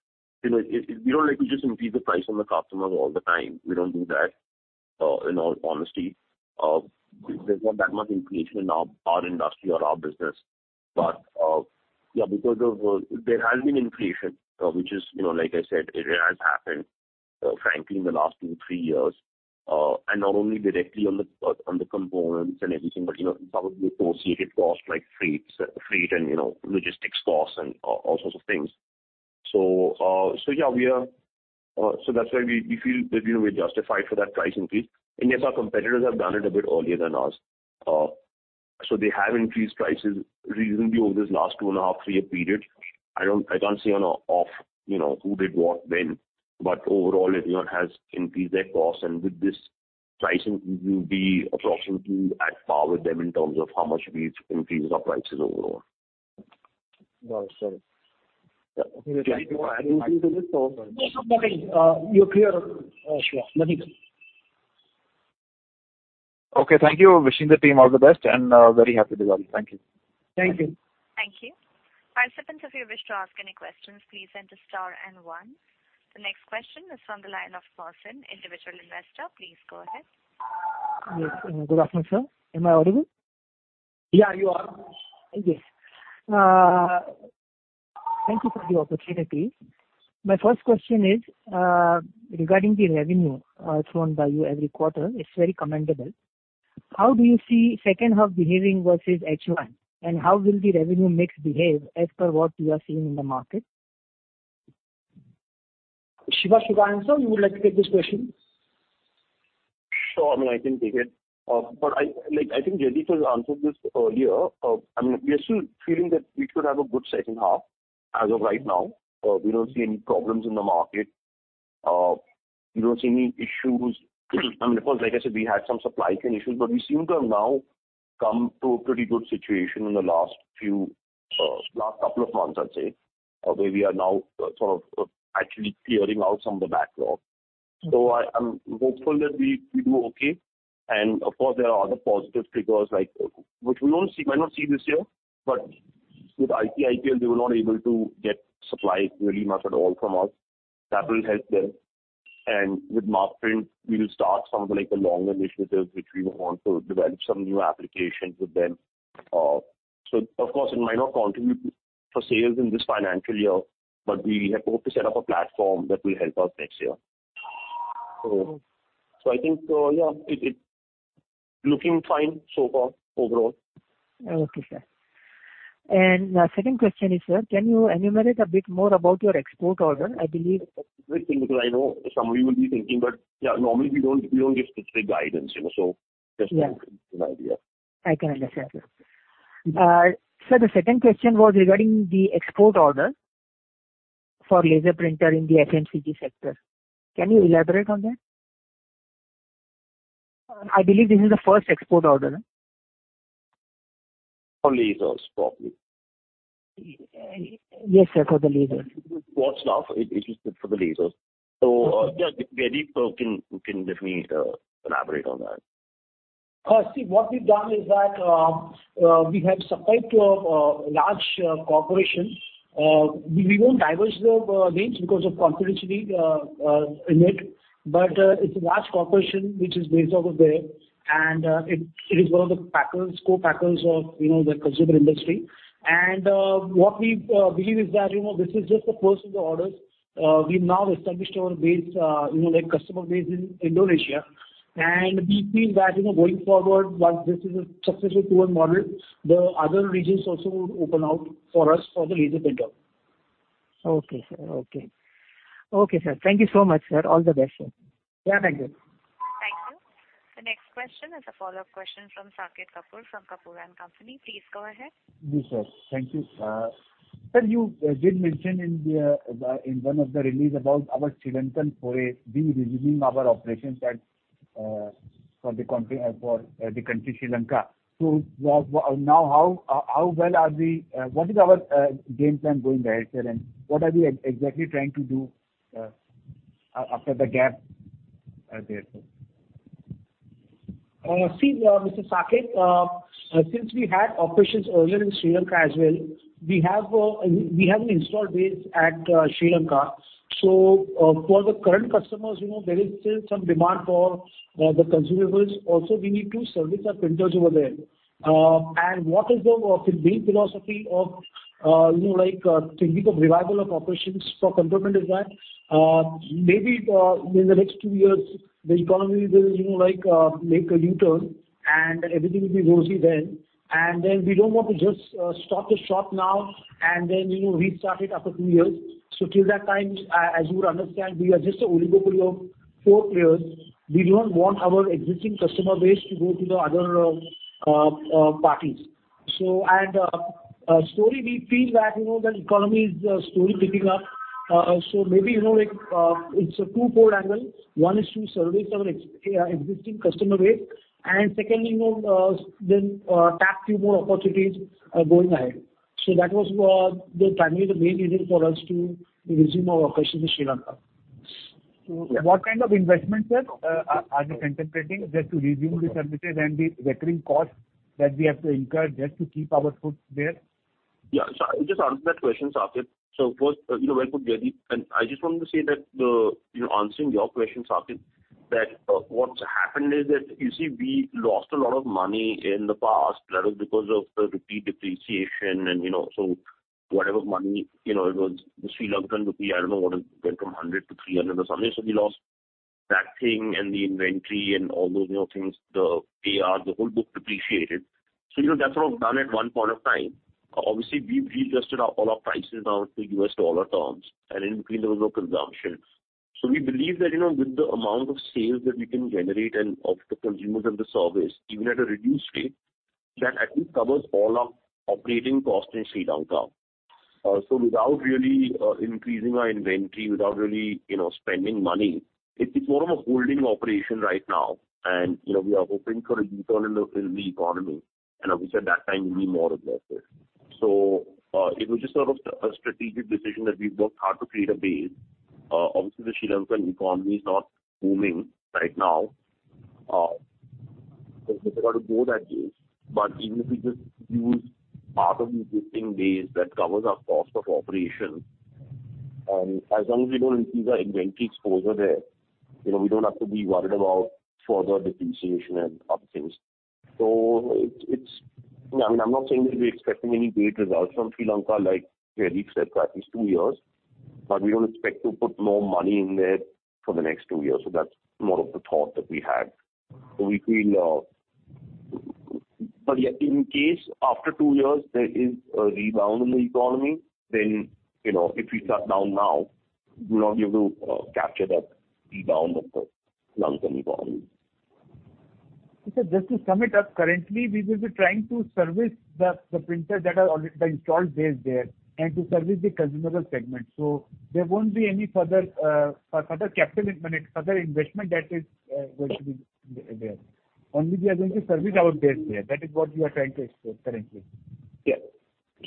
you know, we don't like to just increase the price on the customers all the time. We don't do that, in all honesty. There's not that much inflation in our industry or our business. Yeah, because of, there has been inflation, which is, you know, like I said, it has happened, frankly in the last two, three years. And not only directly on the components and everything, but you know, some of the associated costs like freight and, you know, logistics costs and all sorts of things. Yeah, we feel that, you know, we're justified for that price increase. Yes, our competitors have done it a bit earlier than us. They have increased prices reasonably over this last 2.5-three-year period. I can't say off the cuff, you know, who did what when, but overall everyone has increased their costs and with this price increase, we'll be approximately at par with them in terms of how much we've increased our prices overall. Got it. Sorry. Jaideep, do you wanna add anything to this or? No. Nothing. You're clear. Shiva, nothing. Okay. Thank you. Wishing the team all the best and very happy with the results. Thank you. Thank you. Thank you. Participants, if you wish to ask any questions, please enter star and one. The next question is from the line of Parson, Individual Investor. Please go ahead. Yes. Good afternoon, sir. Am I audible? Yeah, you are. Thank you. Thank you for the opportunity. My first question is regarding the revenue shown by you every quarter. It's very commendable. How do you see H2 behaving versus H1? How will the revenue mix behave as per what you are seeing in the market? Shiva should answer. You would like to take this question? Sure. I mean, I can take it. I like think Jaideep has answered this earlier. I mean, we are still feeling that we could have a good H2 as of right now. We don't see any problems in the market. We don't see any issues. I mean, of course, like I said, we had some supply chain issues, but we seem to have now come to a pretty good situation in the last few, last couple of months, I'd say, where we are now sort of, actually clearing out some of the backlog. I'm hopeful that we do okay. Of course, there are other positive triggers like, which we'll not see, might not see this year, but with ICIPL, they were not able to get supplies really much at all from us. That will help them. With Markprint, we will start some of like the long initiatives which we would want to develop some new applications with them. Of course it might not contribute for sales in this financial year, but we have hope to set up a platform that will help us next year. I think, yeah, it looking fine so far overall. Okay, sir. Second question is, sir, can you enumerate a bit more about your export order? I believe- Great thing, because I know some of you will be thinking, but yeah, normally we don't give specific guidance, you know, so just to give you an idea. I can understand, sir. Sir, the second question was regarding the export order for laser printer in the FMCG sector. Can you elaborate on that? I believe this is the first export order. For lasers, probably. Yes, sir. For the lasers. For now, it is for the lasers. Yeah, if Jaideep can definitely elaborate on that. See, what we've done is that we have supplied to a large corporation. We won't disclose the names because of confidentiality in it. It's a large corporation which is based out of there, and it is one of the packers, co-packers of, you know, the consumer industry. What we believe is that, you know, this is just the first of the orders. We've now established our base, you know, like customer base in Indonesia. We feel that, you know, going forward, once this is a successful tool and model, the other regions also would open out for us for the laser printer. Okay, sir. Thank you so much, sir. All the best. Yeah. Thank you. Thank you. The next question is a follow-up question from Saket Kapoor from Kapoor & Company. Please go ahead. Yes, sir. Thank you. Sir, you did mention in one of the release about our Sri Lankan foray, we resuming our operations at for the country Sri Lanka. Now what is our game plan going ahead, sir? What are we exactly trying to do after the gap there, sir? See, Mr. Saket, since we had operations earlier in Sri Lanka as well, we have an installed base at Sri Lanka. For the current customers, you know, there is still some demand for the consumables. Also, we need to service our printers over there. What is the main philosophy of, you know, like, thinking of revival of operations, the concern is that maybe in the next two years the economy will, you know, like, make a U-turn and everything will be rosy then. We don't want to just shut the shop now and then, you know, restart it after two years. Till that time, as you would understand, we are just an oligopoly of four players. We don't want our existing customer base to go to the other parties. Slowly we feel that, you know, the economy is slowly picking up. Maybe, you know, like, it's a two-fold angle. One is to service our existing customer base. Secondly, you know, then, tap few more opportunities, going ahead. That was, the primary, the main reason for us to resume our operations in Sri Lanka. What kind of investment, sir, are you contemplating just to resume the services and the recurring costs that we have to incur just to keep our foot there? Yeah. I'll just answer that question, Saket. First, you know, well put, Jaideep, and I just want to say that, you know, answering your question, Saket, that, what's happened is that, you see, we lost a lot of money in the past. That was because of the rupee depreciation and, you know, so whatever money, you know, it was the Sri Lankan rupee, I don't know, what it went from 100 to 300 or something. We lost that thing and the inventory and all those, you know, things, the AR, the whole book depreciated. You know, that's all done at one point of time. Obviously, we've readjusted all our prices now to US dollar terms and in between there was no consumption. We believe that, you know, with the amount of sales that we can generate and of the consumables and the service, even at a reduced rate, that at least covers all our operating costs in Sri Lanka. Without really increasing our inventory, without really, you know, spending money, it's more of a holding operation right now. We are hoping for a U-turn in the economy. Obviously at that time we'll need more aggressive. It was just sort of a strategic decision that we've worked hard to create a base. Obviously the Sri Lankan economy is not booming right now. It's difficult to grow that base. Even if we just use part of the existing base that covers our cost of operation, as long as we don't increase our inventory exposure there, you know, we don't have to be worried about further depreciation and other things. I mean, I'm not saying that we're expecting any great results from Sri Lanka, like Jaideep said, at least two years, but we don't expect to put more money in there for the next two years. That's more of the thought that we had. We feel, but yet in case after two years there is a rebound in the economy, then, you know, if we shut down now, we'll not be able to capture that rebound of the Lankan economy. Sir, just to sum it up, currently we will be trying to service the printers that are already the installed base there and to service the consumable segment. There won't be any further capital, I mean, further investment that is going to be there. Only we are going to service our base there. That is what we are trying to explore currently.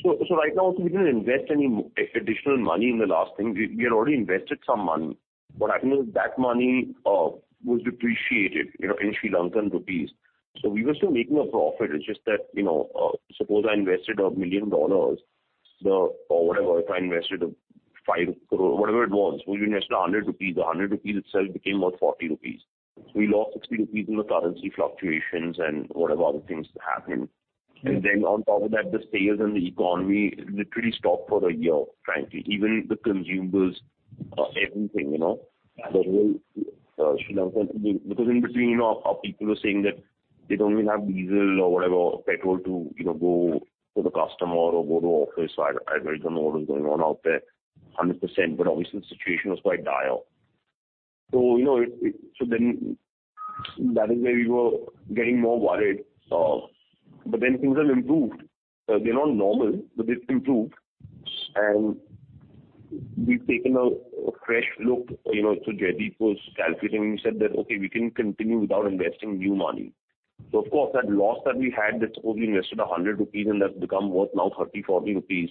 Right now we didn't invest any additional money in the last thing. We had already invested some money. What happened is that money was depreciated, you know, in Sri Lankan rupees. We were still making a profit. It's just that, you know, suppose I invested $1 million, or whatever, if I invested 5 crore, whatever it was, we invested LKR 100. The LKR 100 itself became LKR 40. We lost LKR 60 in the currency fluctuations and whatever other things happened. Then on top of that, the sales and the economy literally stopped for a year, frankly. Even the consumers, everything, you know? There was Sri Lankan. Because in between, you know, our people were saying that they don't even have diesel or whatever petrol to, you know, go to the customer or go to office. I really don't know what was going on out there 100%, but obviously the situation was quite dire. You know, so then that is where we were getting more worried, but then things have improved. They're not normal, but they've improved. We've taken a fresh look, you know. Jaideep was calculating. We said that, "Okay, we can continue without investing new money." Of course, that loss that we had, suppose, we invested 100 rupees and that's become worth now 30 INR-40 INR,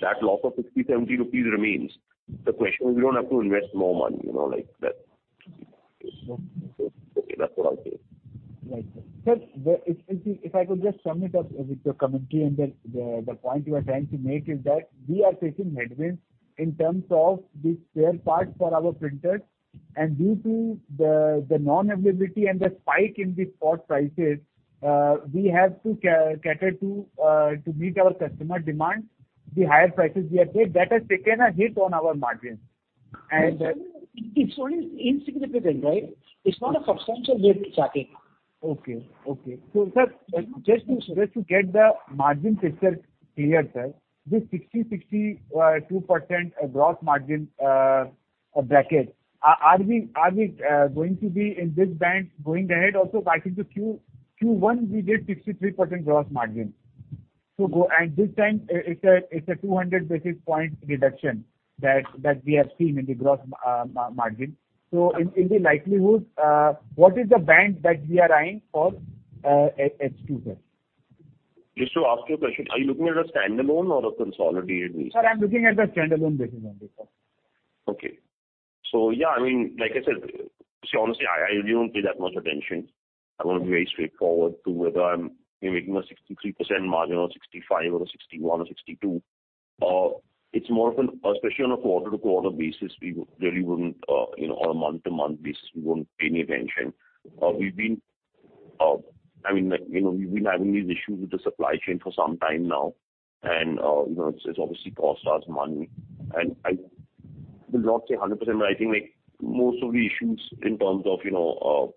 that loss of 60 INR-70 INR remains. The question is we don't have to invest more money, you know, like that. Okay. Okay, that's what I'll say. Right. Sir, if I could just sum it up with your commentary and the point you are trying to make is that we are taking headwinds in terms of the spare parts for our printers, and due to the non-availability and the spike in the spot prices, we have to cater to meet our customer demand, the higher prices we have paid, that has taken a hit on our margin. It's only insignificant, right? It's not a substantial hit, Sachin. Sir, just to get the margin picture clear, sir, this 62% gross margin bracket, are we going to be in this band going ahead also? If I think of Q1, we did 63% gross margin. This time it's a 200 basis point reduction that we have seen in the gross margin. In the likelihood, what is the band that we are eyeing for H2, sir? Just to ask you a question, are you looking at a standalone or a consolidated basis? Sir, I'm looking at the standalone basis only, sir. Okay. Yeah, I mean, like I said, honestly, I really don't pay that much attention. I want to be very straightforward to whether I'm, you know, making a 63% margin or 65% or a 61% or 62%. It's more of an especially on a quarter-to-quarter basis, we really wouldn't, you know, on a month-to-month basis, we won't pay any attention. We've been, I mean, like, you know, we've been having these issues with the supply chain for some time now and, you know, it's obviously cost us money. I will not say 100%, but I think, like, most of the issues in terms of, you know,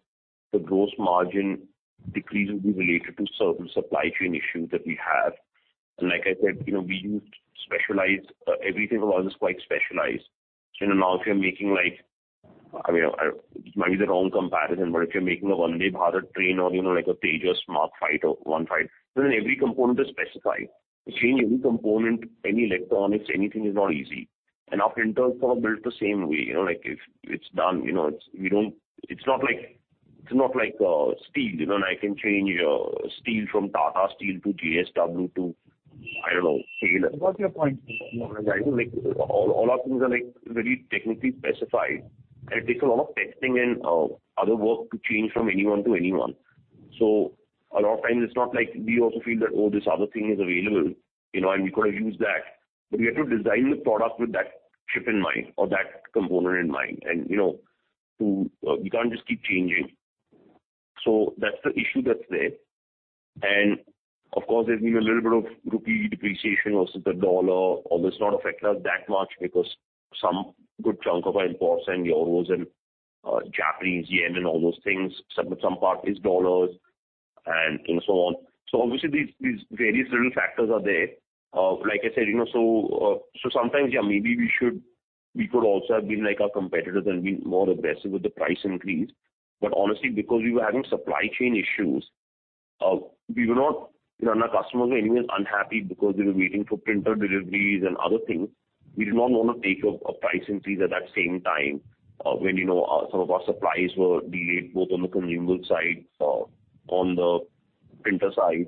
the gross margin decrease will be related to certain supply chain issues that we have. Like I said, you know, we use specialized everything about us is quite specialized. You know, now if you're making like, I mean, I, it might be the wrong comparison, but if you're making a Vande Bharat train or, you know, like a Tejas Mark 1A or one-five, then every component is specified. To change any component, any electronics, anything is not easy. Our printers are built the same way. You know, like if it's done, you know, it's not like steel, you know, and I can change steel from Tata Steel to JSW to, I don't know, SAIL. I got your point. I know, like, all our things are, like, very technically specified, and it takes a lot of testing and other work to change from one to another. A lot of times it's not like we also feel that, oh, this other thing is available, you know, and we could have used that. We have to design the product with that chip in mind or that component in mind and, you know, to. We can't just keep changing. That's the issue that's there. Of course, there's been a little bit of rupee depreciation versus the dollar. Although it's not affected us that much because some good chunk of our imports are in euros and Japanese yen and all those things. Some part is dollars and, you know, so on. Obviously these various little factors are there. Like I said, you know, sometimes, yeah, maybe we could also have been like our competitors and been more aggressive with the price increase. Honestly, because we were having supply chain issues, we were not. You know, our customers were anyways unhappy because they were waiting for printer deliveries and other things. We did not wanna take a price increase at that same time, when, you know, some of our supplies were delayed, both on the consumable side, on the printer side,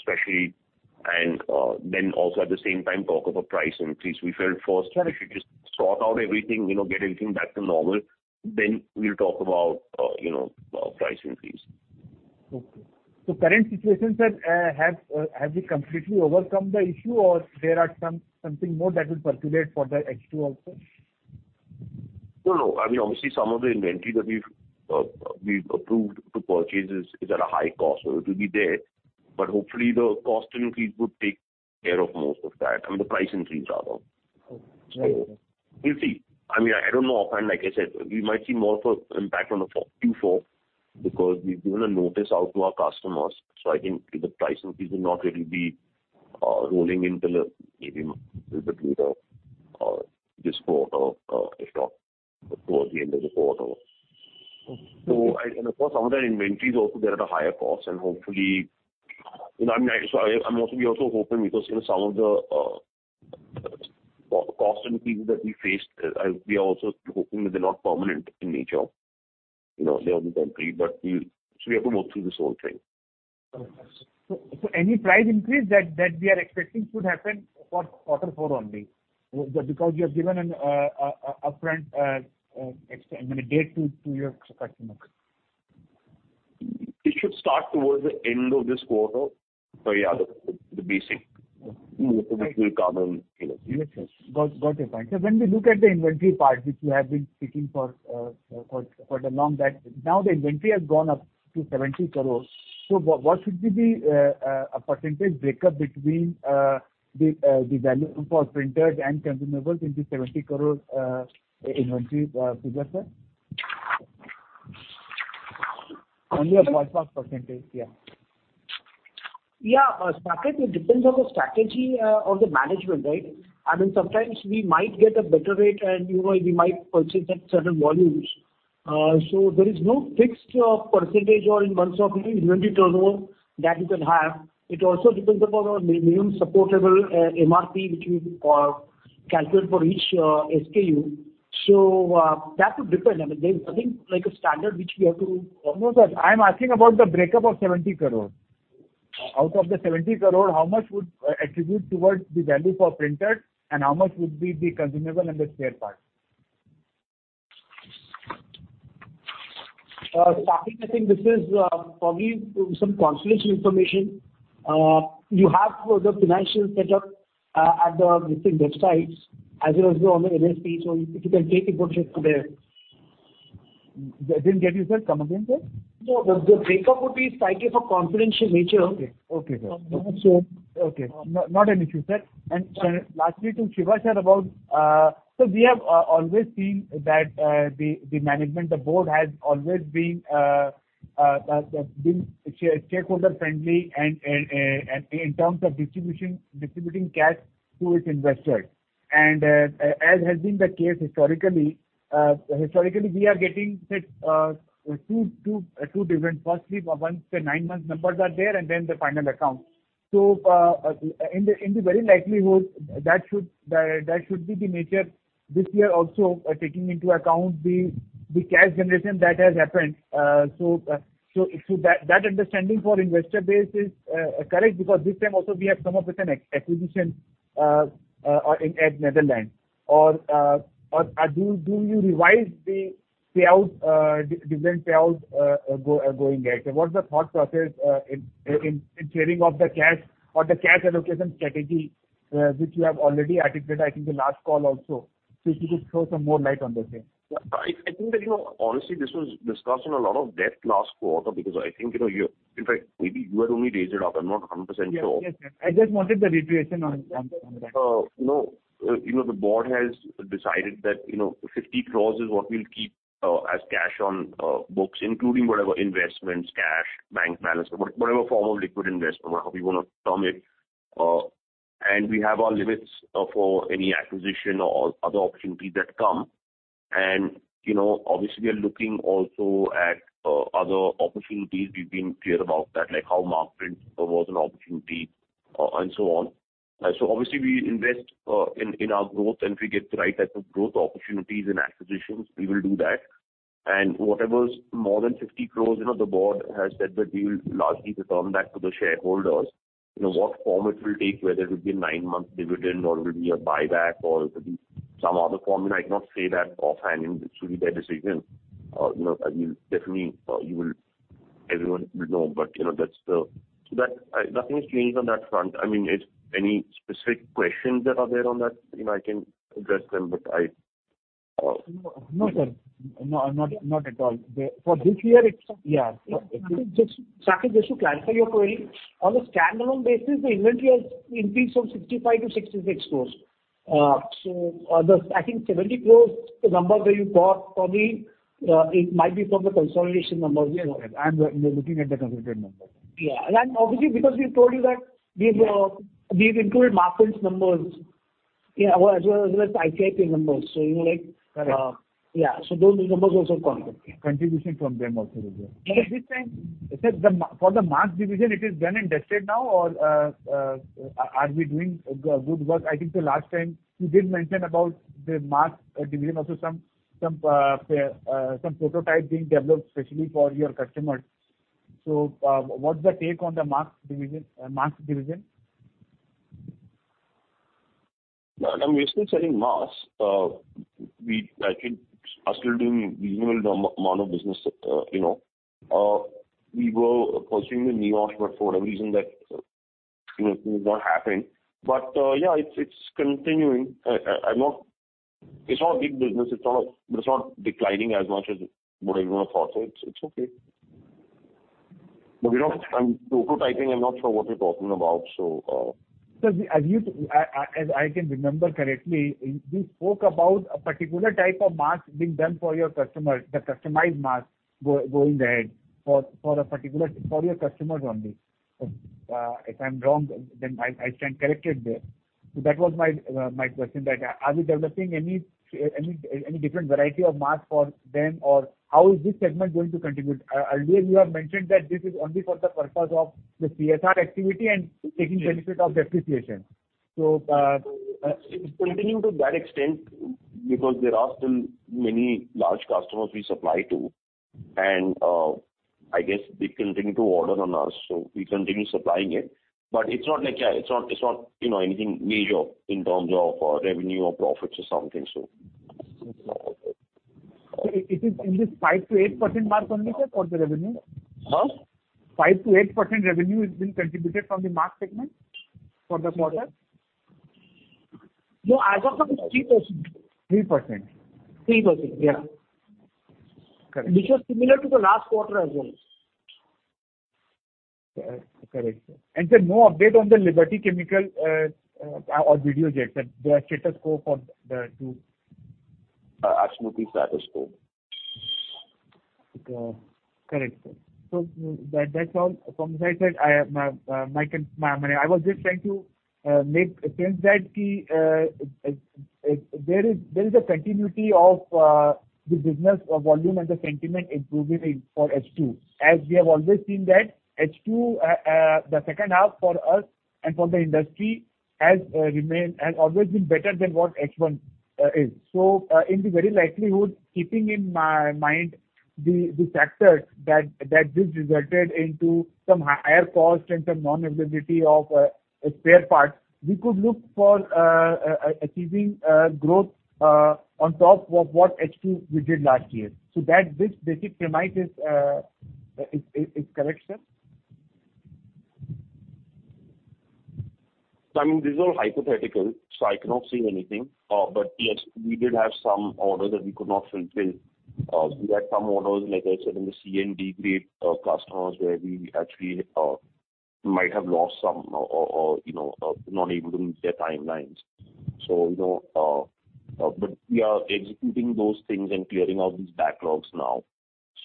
especially, and then also at the same time talk of a price increase. We felt first. Sure. We should just sort out everything, you know, get everything back to normal, then we'll talk about, you know, price increase. Current situation, sir, have we completely overcome the issue or there are something more that will percolate for the H2 also? No, no. I mean, obviously some of the inventory that we've approved to purchase is at a high cost, so it will be there. Hopefully the cost increase would take care of most of that, I mean, the price increase rather. Okay. We'll see. I mean, I don't know. Often, like I said, we might see more of a impact on the Q4 because we've given a notice out to our customers. I think the price increase will not really be rolling in till maybe little bit later this quarter or towards the end of the quarter. Okay. Of course, some of that inventory is also there at a higher cost and hopefully, you know, we're also hoping because, you know, some of the cost increases that we faced, we are also hoping that they're not permanent in nature. You know, they are temporary, but we have to work through this whole thing. Any price increase that we are expecting should happen for quarter four only because you have given an upfront, I mean, date to your customers. It should start towards the end of this quarter. Yeah, the basic- Right. You know, the typical calendar, you know. Yes, sir. Got your point. When we look at the inventory part, which you have been speaking for the long time, now the inventory has gone up to 70 crore. What should be the percentage breakup between the value for printers and consumables in the 70 crore inventory figure, sir? Only a small percentage, yeah. Yeah, Saket, it depends on the strategy of the management, right? I mean, sometimes we might get a better rate and, you know, we might purchase at certain volumes. So there is no fixed percentage or in months of inventory turnover that you can have. It also depends upon our minimum supportable MOQ which we call, calculate for each SKU. So that would depend. I mean, there's nothing like a standard which we have to- No, no. I'm asking about the break-up of 70 crore. Out of the 70 crore, how much would attribute towards the value for printers and how much would be the consumable and the spare part? Saket, I think this is probably some confidential information. You have the financial setup at the listing websites, as well as on the NSE, so if you can take a look at there. I didn't get you, sir. Come again, sir. No, the breakup would be slightly of a confidential nature. Okay. Okay, sir. So- Okay. Not an issue, sir. Lastly, to Mr. Shiva Kabra about, so we have always seen that the management, the board has always been shareholder friendly and in terms of distribution, distributing cash to its investors. As has been the case historically, we are getting two dividends. Firstly, once the nine-month numbers are there, and then the final accounts. In the very likelihood that should be the nature this year also, taking into account the cash generation that has happened. So that understanding for investor base is correct because this time also we have come up with an acquisition in Netherlands. Or do you revise the payout, dividend payout going ahead? What's the thought process in clearing of the cash or the cash allocation strategy, which you have already articulated, I think the last call also. If you could throw some more light on the same. I think that, you know, honestly, this was discussed in a lot of depth last quarter because I think, you know. In fact, maybe you had only raised it up. I'm not 100% sure. Yes. Yes, sir. I just wanted the reiteration on that. No. You know, the board has decided that, you know, 50 crore is what we'll keep as cash on books, including whatever investments, cash, bank balance, whatever form of liquid investment, however you wanna term it. We have our limits for any acquisition or other opportunities that come. You know, obviously we are looking also at other opportunities. We've been clear about that, like how Markprint B.V. was an opportunity, and so on. Obviously we invest in our growth, and if we get the right type of growth opportunities and acquisitions, we will do that. Whatever's more than 50 crore, you know, the board has said that we will largely return back to the shareholders. You know, what form it will take, whether it will be a nine-month dividend or it will be a buyback or it will be some other form, I cannot say that offhand. It's really their decision. You know, definitely, everyone will know, but you know, that's the. Nothing has changed on that front. I mean, if any specific questions that are there on that, you know, I can address them, but I No, sir. No, not at all. For this year, it's, yeah. Saket, just to clarify your query. On a standalone basis, the inventory has increased from 65 crores to 66 crores. I think 70 crores, the number that you got, probably it might be from the consolidation numbers. Yes. I'm looking at the consolidated numbers. Yeah. Obviously, because we told you that these include Markprint's numbers. Yeah, as well as ICIPL numbers. You were like- Correct. Yeah. Those numbers also come in. Contribution from them also is there. At this time, sir, for the mask division, it is done and dusted now or are we doing good work? I think the last time you did mention about the mask division, also some prototype being developed specially for your customers. What's the take on the mask division? Ma'am, we're still selling masks. We, I think, are still doing reasonable amount of business, you know. We were pursuing the N95, but for whatever reason that, you know, it did not happen. It's continuing. It's not a big business. It's not declining as much as what everyone thought. It's okay. You know, I'm prototyping. I'm not sure what you're talking about. Sir, as I can remember correctly, you spoke about a particular type of mask being done for your customers, the customized mask going ahead for your customers only. If I'm wrong, then I stand corrected there. That was my question that are we developing any different variety of mask for them or how is this segment going to contribute? Earlier you have mentioned that this is only for the purpose of the CSR activity and taking benefit of depreciation. It's continuing to that extent because there are still many large customers we supply to, and I guess they continue to order on us, so we continue supplying it. But it's not like, yeah, it's not, you know, anything major in terms of revenue or profits or something, so. Okay. Is it in this 5%-8% mark only, sir, for the revenue? Huh? 5%-8% revenue is being contributed from the mask segment for the quarter? No, as of now it's 3%. 3%. 3%, yeah. Correct. Which was similar to the last quarter as well. Correct, sir. Sir, no update on the Liberty Chemical or Videojet that their status quo for the two. Absolutely status quo. Correct, sir. That's all. From that side, I was just trying to make sense that there is a continuity of the business volume and the sentiment improving in H2. As we have always seen that H2, the H2 for us and for the industry has remained and always been better than what H1 is. In all likelihood, keeping in mind the factors that this resulted into some higher cost and some non-availability of spare parts, we could look for achieving growth on top of what H2 we did last year. That this basic premise is correct, sir? I mean, these are all hypothetical, so I cannot say anything. Yes, we did have some orders that we could not fulfill. We had some orders, like I said, in the C and D grade customers where we actually might have lost some or, you know, not able to meet their timelines. You know, but we are executing those things and clearing out these backlogs now.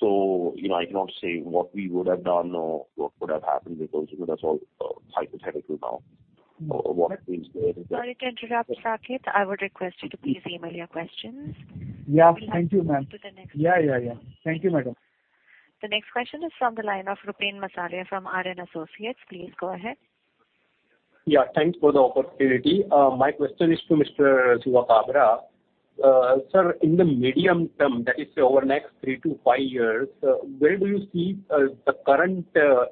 You know, I cannot say what we would have done or what would have happened because, you know, that's all hypothetical now. What is there is a- Sorry to interrupt, Saket. I would request you to please email your questions. Yeah. Thank you, ma'am. We have to move to the next. Yeah. Thank you, madam. The next question is from the line of Rupen Masare from Arun Associates. Please go ahead. Yeah, thanks for the opportunity. My question is to Mr. Shiva Kabra. Sir, in the medium term, that is over next three to five years, where do you see the current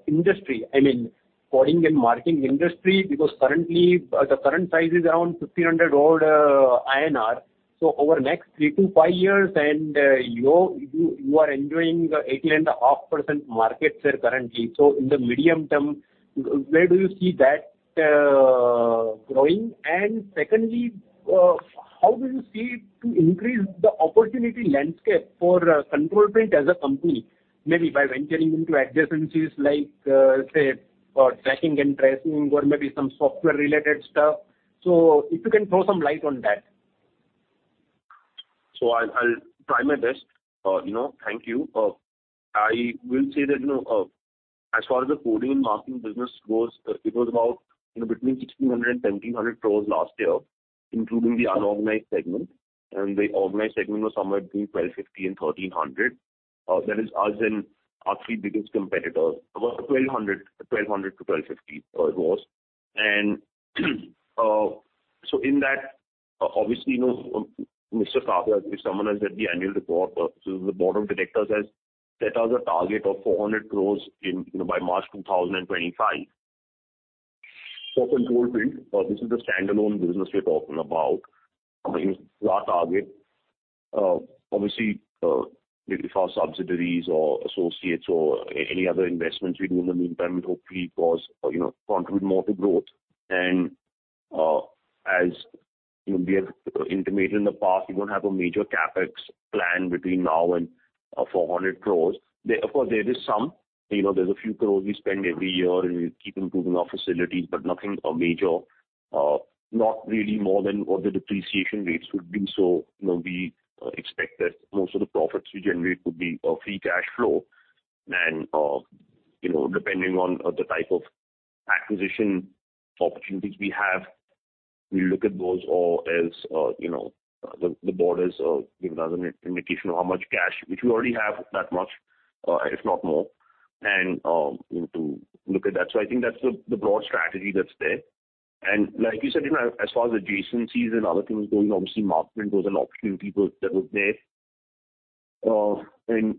industry, I mean, coding and marking industry? Because currently, the current size is around 1,500 crore INR. So over next three to five years and, you are enjoying 18.5% market share currently. So in the medium term, where do you see that growing? And secondly, how do you see to increase the opportunity landscape for Control Print as a company? Maybe by venturing into adjacencies like, say, tracking and tracing or maybe some software related stuff. So if you can throw some light on that. I'll try my best. You know, thank you. I will say that, you know, as far as the coding and marking business goes, it was about, you know, between 1,600 crore and 1,700 crore last year, including the unorganized segment. The organized segment was somewhere between 1,250 and 1,300. That is us and our three biggest competitors. About 1,200 to 1,250, it was. In that, obviously, you know, Mr. Kabra, if someone has read the annual report, the board of directors has set us a target of 400 crore, you know, by March 2025. For Control Print, this is the standalone business we're talking about. I mean, our target, obviously, maybe for our subsidiaries or associates or any other investments we do in the meantime would hopefully, of course, you know, contribute more to growth. As you know, we have intimated in the past, we don't have a major CapEx plan between now and 400 crores. There, of course, there is some. You know, there's INR a few crores we spend every year, and we keep improving our facilities, but nothing major. Not really more than what the depreciation rates would be. You know, we expect that most of the profits we generate would be free cash flow. Depending on the type of acquisition opportunities we have, we look at those or else, you know, the board is giving us an indication of how much cash, which we already have that much, if not more, and, you know, to look at that. I think that's the broad strategy that's there. Like you said, you know, as far as adjacencies and other things going, obviously, Markprint was an opportunity growth that was there.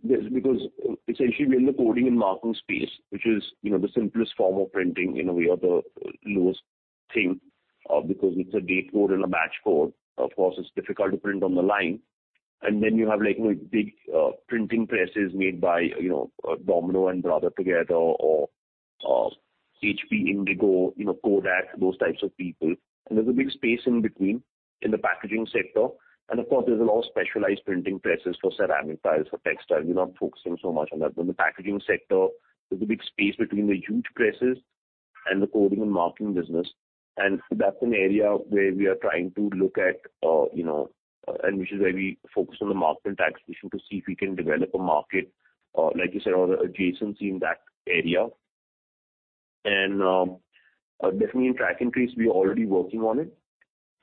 This because essentially we're in the coding and marking space, which is, you know, the simplest form of printing in a way or the lowest thing, because it's a date code and a batch code. Of course, it's difficult to print on the line. You have like, you know, big, printing presses made by, you know, Domino and Brother together or HP Indigo, you know, Kodak, those types of people. There's a big space in between in the packaging sector. Of course, there's a lot of specialized printing presses for ceramic tiles, for textiles. We're not focusing so much on that. In the packaging sector, there's a big space between the huge presses and the coding and marking business. That's an area where we are trying to look at, you know, and which is where we focus on the Markprint acquisition to see if we can develop a market, like you said, or adjacency in that area. Definitely in track and trace, we are already working on it.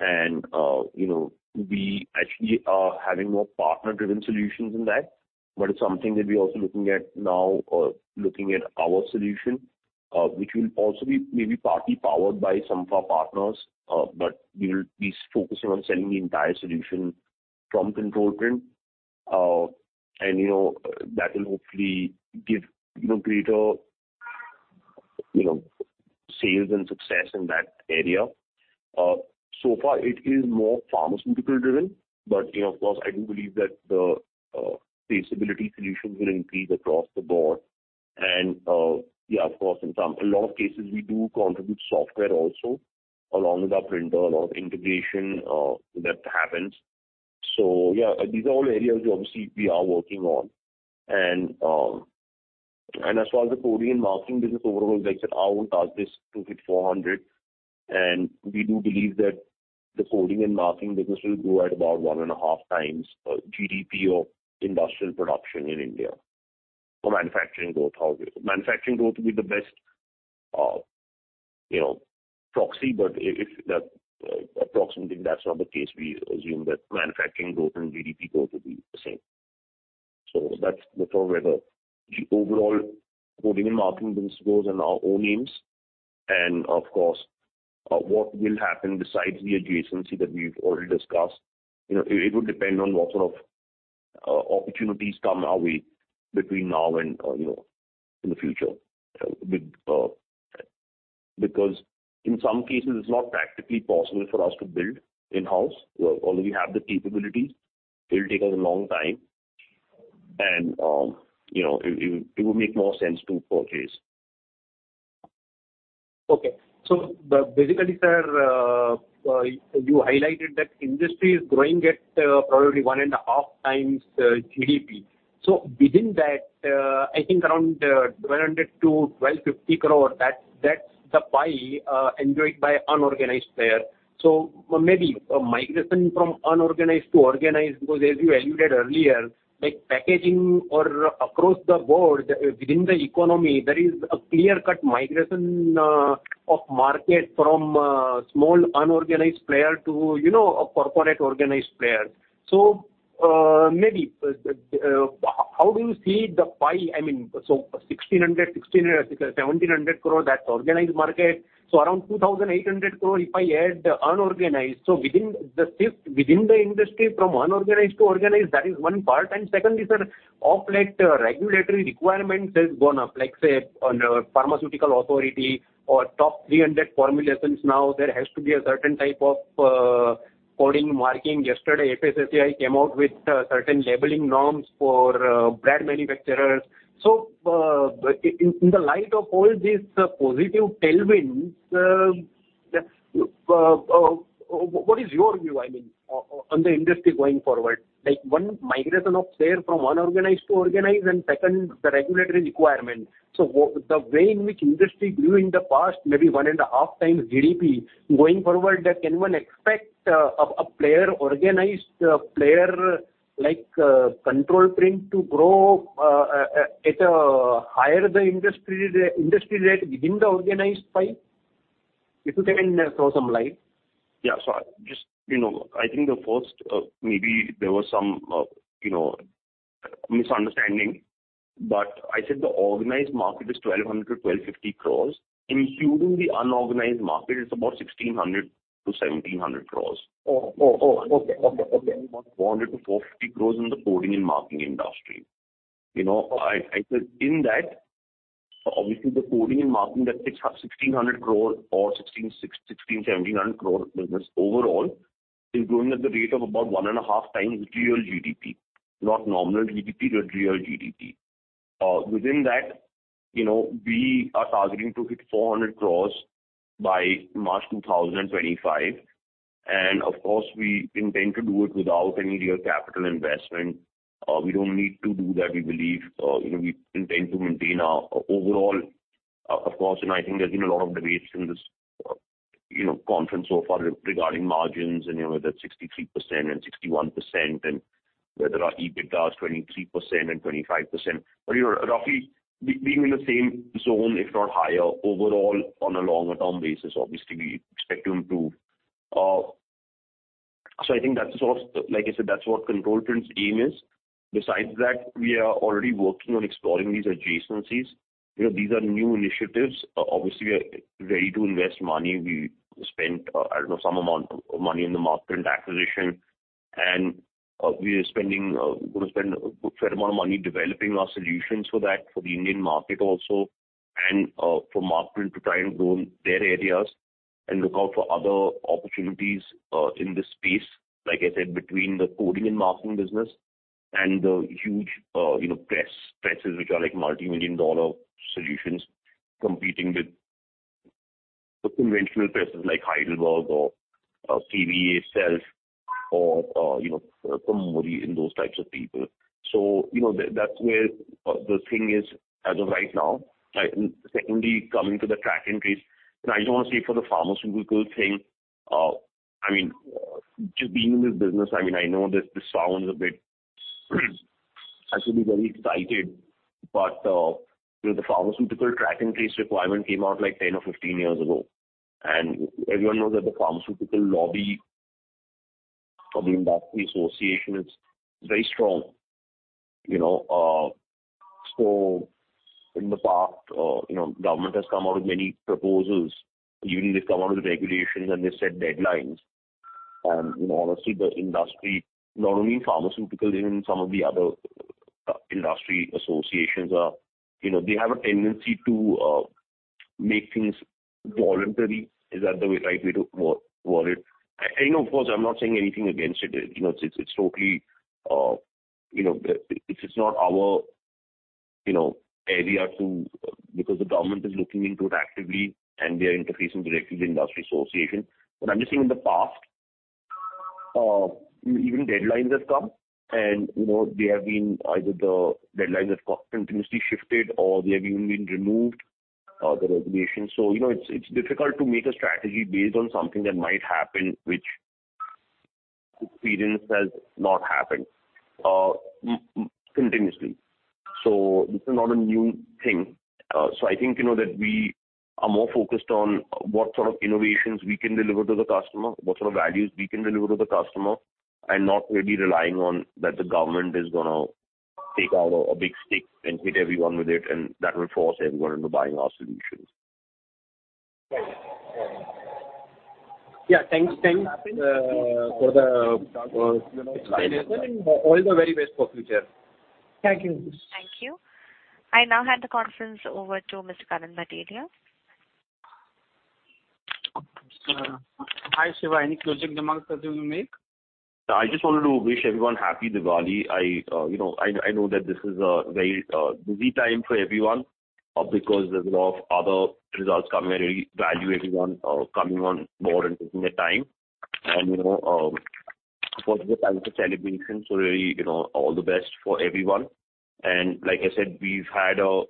You know, we actually are having more partner-driven solutions in that. It's something that we're also looking at now or looking at our solution, which will also be maybe partly powered by some of our partners. We will be focusing on selling the entire solution from Control Print. You know, that will hopefully give, you know, greater, you know, sales and success in that area. So far it is more pharmaceutical driven, but, you know, of course, I do believe that the traceability solutions will increase across the board. Of course, in a lot of cases we do contribute software also along with our printer. A lot of integration that happens. These are all areas obviously we are working on. As far as the coding and marking business overall, like I said, our target is to hit 400. We do believe that the coding and marking business will grow at about 1.5x GDP of industrial production in India for manufacturing growth. Manufacturing growth will be the best proxy. But approximately, that's not the case. We assume that manufacturing growth and GDP growth will be the same. That's how whether the overall coding and marking business grows and our own aims. Of course, what will happen besides the adjacency that we've already discussed, you know, it will depend on what sort of opportunities come our way between now and in the future. Because in some cases, it's not practically possible for us to build in-house. Although we have the capabilities, it will take us a long time and, you know, it would make more sense to purchase. Okay. Basically, sir, you highlighted that industry is growing at probably 1.5x GDP. Within that, I think around 1,200-1,250 crore, that's the pie enjoyed by unorganized player. Maybe a migration from unorganized to organized, because as you alluded earlier, like packaging or across the board within the economy, there is a clear-cut migration of market from small unorganized player to, you know, a corporate organized player. Maybe, how do you see the pie? I mean, 1,600-1,700 crore, that's organized market. Around 2,800 crore if I add unorganized. Within the industry from unorganized to organized, that is one part. Secondly, sir, of late regulatory requirements has gone up, like say on pharmaceutical authority or top 300 formulations now there has to be a certain type of coding, marking. Yesterday, FSSAI came out with certain labeling norms for brand manufacturers. In the light of all these positive tailwinds, what is your view, I mean, on the industry going forward? Like one, migration of players from unorganized to organized, and second, the regulatory requirement. The way in which industry grew in the past, maybe 1.5x GDP, going forward, can one expect an organized player like Control Print to grow at a higher than the industry rate within the organized pie? If you can throw some light. Yeah. Just, you know, I think the first, maybe there was some, you know, misunderstanding, but I said the organized market is 1,200-1,250 crores. Including the unorganized market, it's about 1,600-1,700 crores. Oh. Okay. 400-450 crores in the coding and marking industry. You know, I said in that, obviously the coding and marking that takes up 1,600 crore or 1,600-1,700 crore business overall is growing at the rate of about 1.5x real GDP, not nominal GDP, but real GDP. Within that, you know, we are targeting to hit 400 crores by March 2025. Of course, we intend to do it without any real capital investment. We don't need to do that, we believe. You know, we intend to maintain our overall. Of course, I think there's been a lot of debates in this conference so far regarding margins and, you know, whether it's 63% and 61%, and whether our EBITDA is 23% and 25%. You know, roughly being in the same zone, if not higher overall on a longer-term basis, obviously we expect to improve. I think that's sort of, like I said, that's what Control Print's aim is. Besides that, we are already working on exploring these adjacencies. You know, these are new initiatives. Obviously, we are ready to invest money. We spent, I don't know, some amount of money in the Markprint acquisition, and we are spending, gonna spend a good fair amount of money developing our solutions for that, for the Indian market also, and for Markprint to try and grow their areas and look out for other opportunities in this space, like I said, between the coding and marking business and the huge, you know, press, presses which are like multi-million dollar solutions competing with the conventional presses like Heidelberg or KBA or you know, Komori and those types of people. You know, that's where the thing is as of right now. Secondly, coming to the track-and-trace, and I don't want to say for the pharmaceutical thing. I mean, just being in this business, I mean, I know this sounds a bit actually very excited. You know, the pharmaceutical track-and-trace requirement came out like 10 or 15 years ago. Everyone knows that the pharmaceutical lobby or the industry association is very strong, you know? In the past, you know, government has come out with many proposals. Even they've come out with regulations and they've set deadlines. You know, honestly, the industry, not only pharmaceuticals, even some of the other industry associations are, you know, they have a tendency to make things voluntary. Is that the right way to word it? Of course, I'm not saying anything against it. You know, it's totally, you know, it is not our area because the government is looking into it actively and they are interfacing directly with industry association. I'm just saying in the past, even deadlines have come and, you know, they have been either continuously shifted or they have even been removed, the regulations. You know, it's difficult to make a strategy based on something that might happen, which experience has not happened, continuously. This is not a new thing. I think you know that we are more focused on what sort of innovations we can deliver to the customer, what sort of values we can deliver to the customer, and not really relying on that the government is gonna take out a big stick and hit everyone with it, and that will force everyone into buying our solutions. Yeah. Thanks for the and all the very best for future. Thank you. Thank you. I now hand the conference over to Mr. Karan Bhatelia. Hi, Shiva. Any closing remarks that you want to make? I just wanted to wish everyone happy Diwali. You know, I know that this is a very busy time for everyone because there's a lot of other results coming and really value everyone coming on board and taking the time. You know, of course, with also celebrations, so really, you know, all the best for everyone. Like I said, we've had a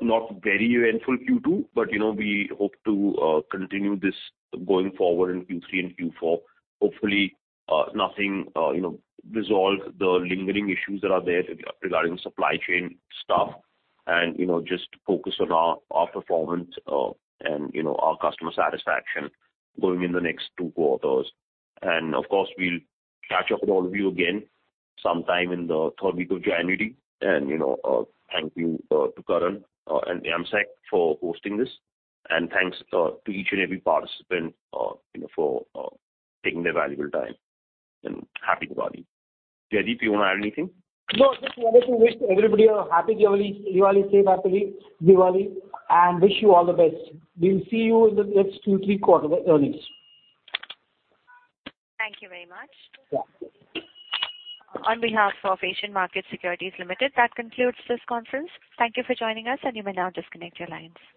not very eventful Q2, but you know, we hope to continue this going forward in Q3 and Q4. Hopefully, you know, resolve the lingering issues that are there regarding supply chain stuff and you know, just focus on our performance and you know, our customer satisfaction going in the next two quarters. Of course, we'll catch up with all of you again sometime in the third week of January. You know, thank you to Karan and AMSEC for hosting this. Thanks to each and every participant, you know, for taking their valuable time. Happy Diwali. Jaideep, you wanna add anything? No. Just wanted to wish everybody a happy Diwali. Safe, happy Diwali, and wish you all the best. We'll see you in the next Q3 quarter, earnings. Thank you very much. Yeah. On behalf of Asian Markets Securities Private Limited, that concludes this conference. Thank you for joining us, and you may now disconnect your lines.